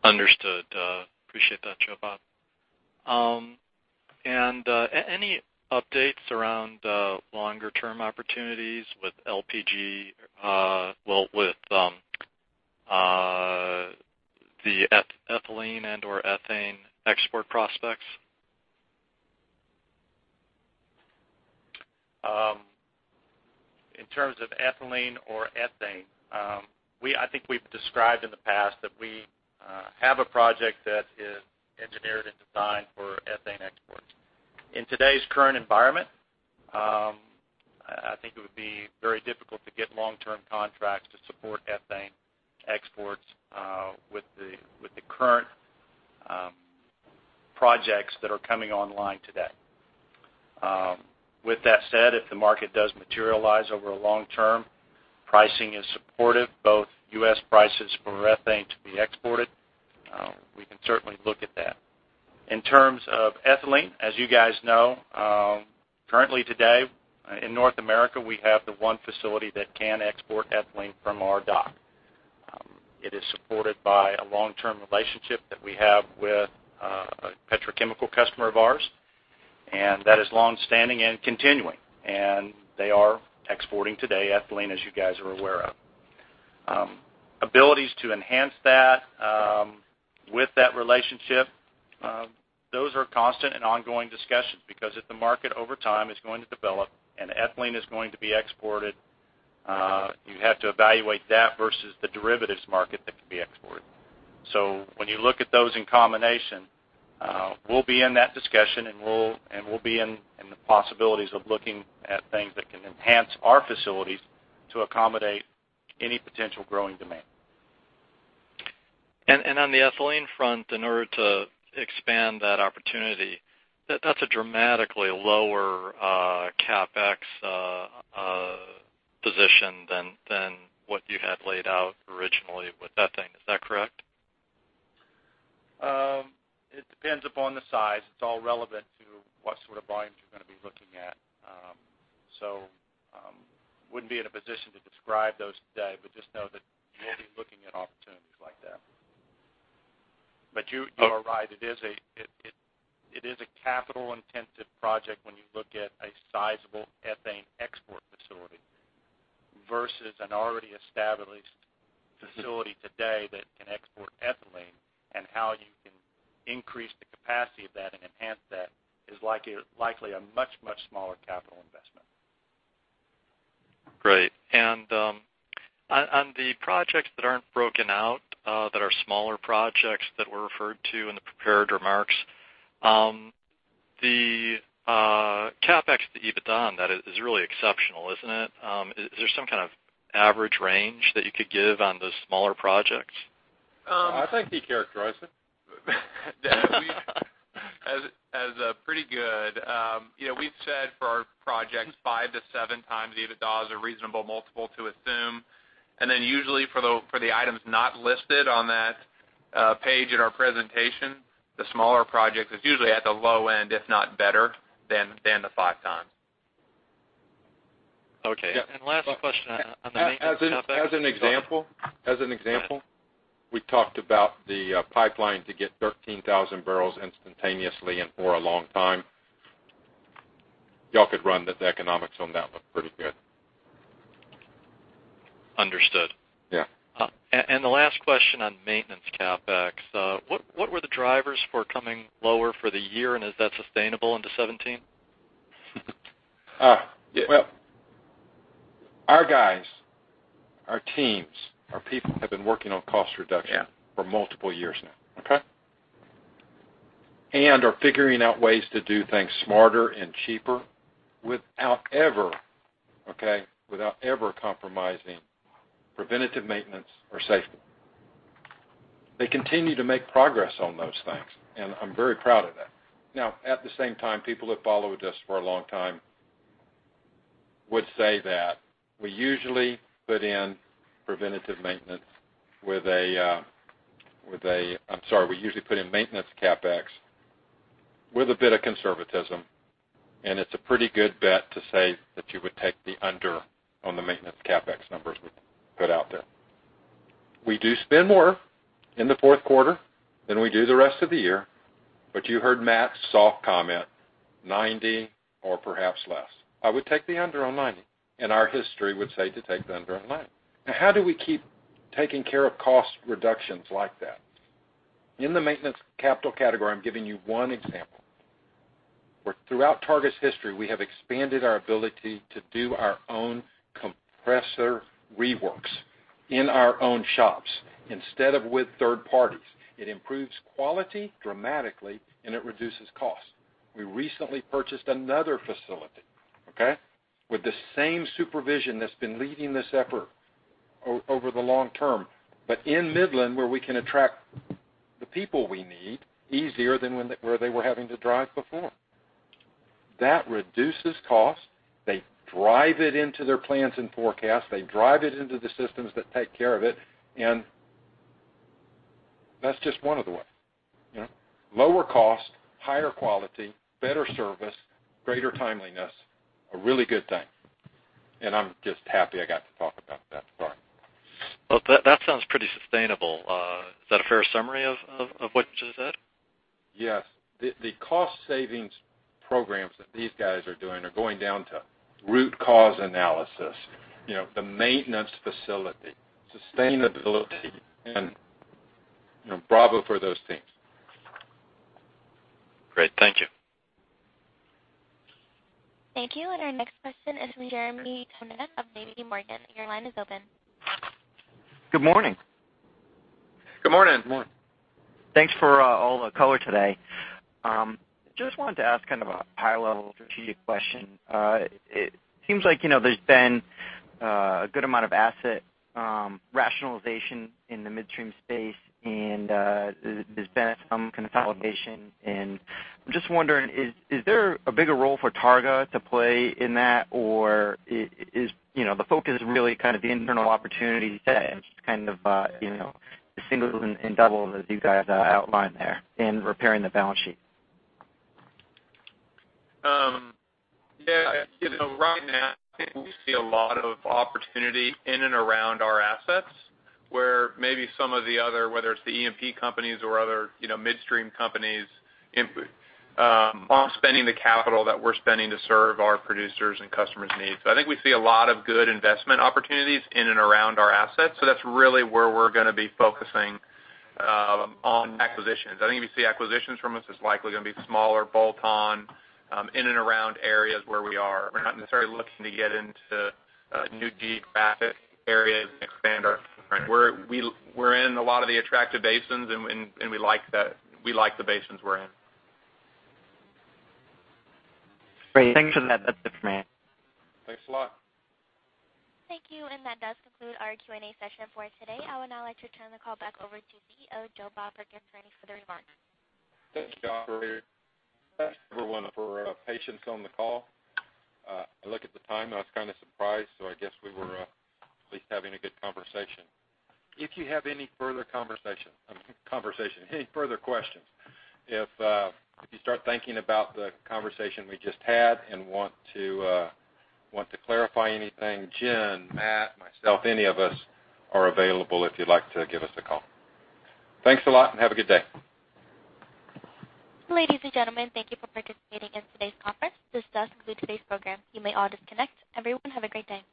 Understood. Appreciate that, Joe Bob. Any updates around longer term opportunities with LPG, with the ethylene and/or ethane export prospects? In terms of ethylene or ethane, I think we've described in the past that we have a project that is engineered and designed for ethane exports. In today's current environment, I think it would be very difficult to get long-term contracts to support ethane exports with the current projects that are coming online today. That said, if the market does materialize over a long term, pricing is supportive, both U.S. prices for ethane to be exported, we can certainly look at that. In terms of ethylene, as you guys know, currently today in North America, we have the one facility that can export ethylene from our dock. It is supported by a long-term relationship that we have with a petrochemical customer of ours, and that is longstanding and continuing. They are exporting today, ethylene, as you guys are aware of. Abilities to enhance that with that relationship, those are constant and ongoing discussions because if the market over time is going to develop and ethylene is going to be exported, you have to evaluate that versus the derivatives market that can be exported. When you look at those in combination, we'll be in that discussion and we'll be in the possibilities of looking at things that can enhance our facilities to accommodate any potential growing demand. On the ethylene front, in order to expand that opportunity, that's a dramatically lower CapEx position than what you had laid out originally with ethane. Is that correct? It depends upon the size. It's all relevant to what sort of volumes you're going to be looking at. Wouldn't be in a position to describe those today, but just know that we'll be looking at opportunities like that. You are right. It is a capital-intensive project when you look at a sizable ethane export facility versus an already established facility today that can export ethylene and how you can increase the capacity of that and enhance that is likely a much, much smaller capital investment. Great. On the projects that aren't broken out, that are smaller projects that were referred to in the prepared remarks, the CapEx to EBITDA on that is really exceptional, isn't it? Is there some kind of average range that you could give on those smaller projects? I think he characterized it. Pretty good. We've said for our projects, five to seven times EBITDA is a reasonable multiple to assume. Usually for the items not listed on that page in our presentation, the smaller projects, it's usually at the low end, if not better, than the five times. Okay. Last question on the maintenance topic. As an example, we talked about the pipeline to get 13,000 barrels instantaneously and for a long time. You all could run the economics on that one pretty good. Understood. Yeah. The last question on maintenance CapEx. What were the drivers for coming lower for the year, and is that sustainable into 2017? Well, our guys, our teams, our people have been working on cost reduction. Yeah for multiple years now, okay? They are figuring out ways to do things smarter and cheaper without ever compromising preventative maintenance or safety. They continue to make progress on those things, and I'm very proud of that. At the same time, people who have followed us for a long time would say that we usually put in preventative maintenance, I'm sorry, we usually put in maintenance CapEx with a bit of conservatism, and it's a pretty good bet to say that you would take the under on the maintenance CapEx numbers we put out there. We do spend more in the fourth quarter than we do the rest of the year, you heard Matt's soft comment, $90 or perhaps less. I would take the under on $90, and our history would say to take the under on $90. How do we keep taking care of cost reductions like, in the maintenance capital category? I'm giving you one example, where throughout Targa's history, we have expanded our ability to do our own compressor reworks in our own shops instead of with third parties. It improves quality dramatically, and it reduces costs. We recently purchased another facility, okay? With the same supervision that's been leading this effort over the long term. In Midland, where we can attract the people we need easier than where they were having to drive before. That reduces cost. They drive it into their plans and forecast. They drive it into the systems that take care of it, and that's just one of the ways. Lower cost, higher quality, better service, greater timeliness, a really good thing. I'm just happy I got to talk about that today. Well, that sounds pretty sustainable. Is that a fair summary of what you just said? Yes. The cost savings programs that these guys are doing are going down to root cause analysis. The maintenance facility, sustainability, and bravo for those teams. Great. Thank you. Thank you. Our next question is from Jeremy Tonet of JPMorgan. Your line is open. Good morning. Good morning. Morning. Thanks for all the color today. Just wanted to ask kind of a high-level strategic question. It seems like there's been a good amount of asset rationalization in the midstream space, there's been some consolidation, I'm just wondering, is there a bigger role for Targa to play in that, or is the focus really kind of the internal opportunities today and just kind of the singles and doubles as you guys outlined there and repairing the balance sheet? Yeah. Right now, I think we see a lot of opportunity in and around our assets, where maybe some of the other, whether it's the E&P companies or other midstream companies aren't spending the capital that we're spending to serve our producers' and customers' needs. I think we see a lot of good investment opportunities in and around our assets. That's really where we're going to be focusing on acquisitions. I think if you see acquisitions from us, it's likely going to be smaller, bolt-on, in and around areas where we are. We're not necessarily looking to get into new geographic areas and expand our footprint. We're in a lot of the attractive basins, and we like the basins we're in. Great. Thanks for that. That's it for me. Thanks a lot. Thank you, and that does conclude our Q&A session for today. I would now like to turn the call back over to CEO Joe Bob for any further remarks. Thank you, operator. Thanks, everyone, for patience on the call. I look at the time, and I was kind of surprised, so I guess we were at least having a good conversation. If you have any further conversation. Any further questions, if you start thinking about the conversation we just had and want to clarify anything, Jen, Matt, myself, any of us are available if you'd like to give us a call. Thanks a lot, and have a good day. Ladies and gentlemen, thank you for participating in today's conference. This does conclude today's program. You may all disconnect. Everyone, have a great day.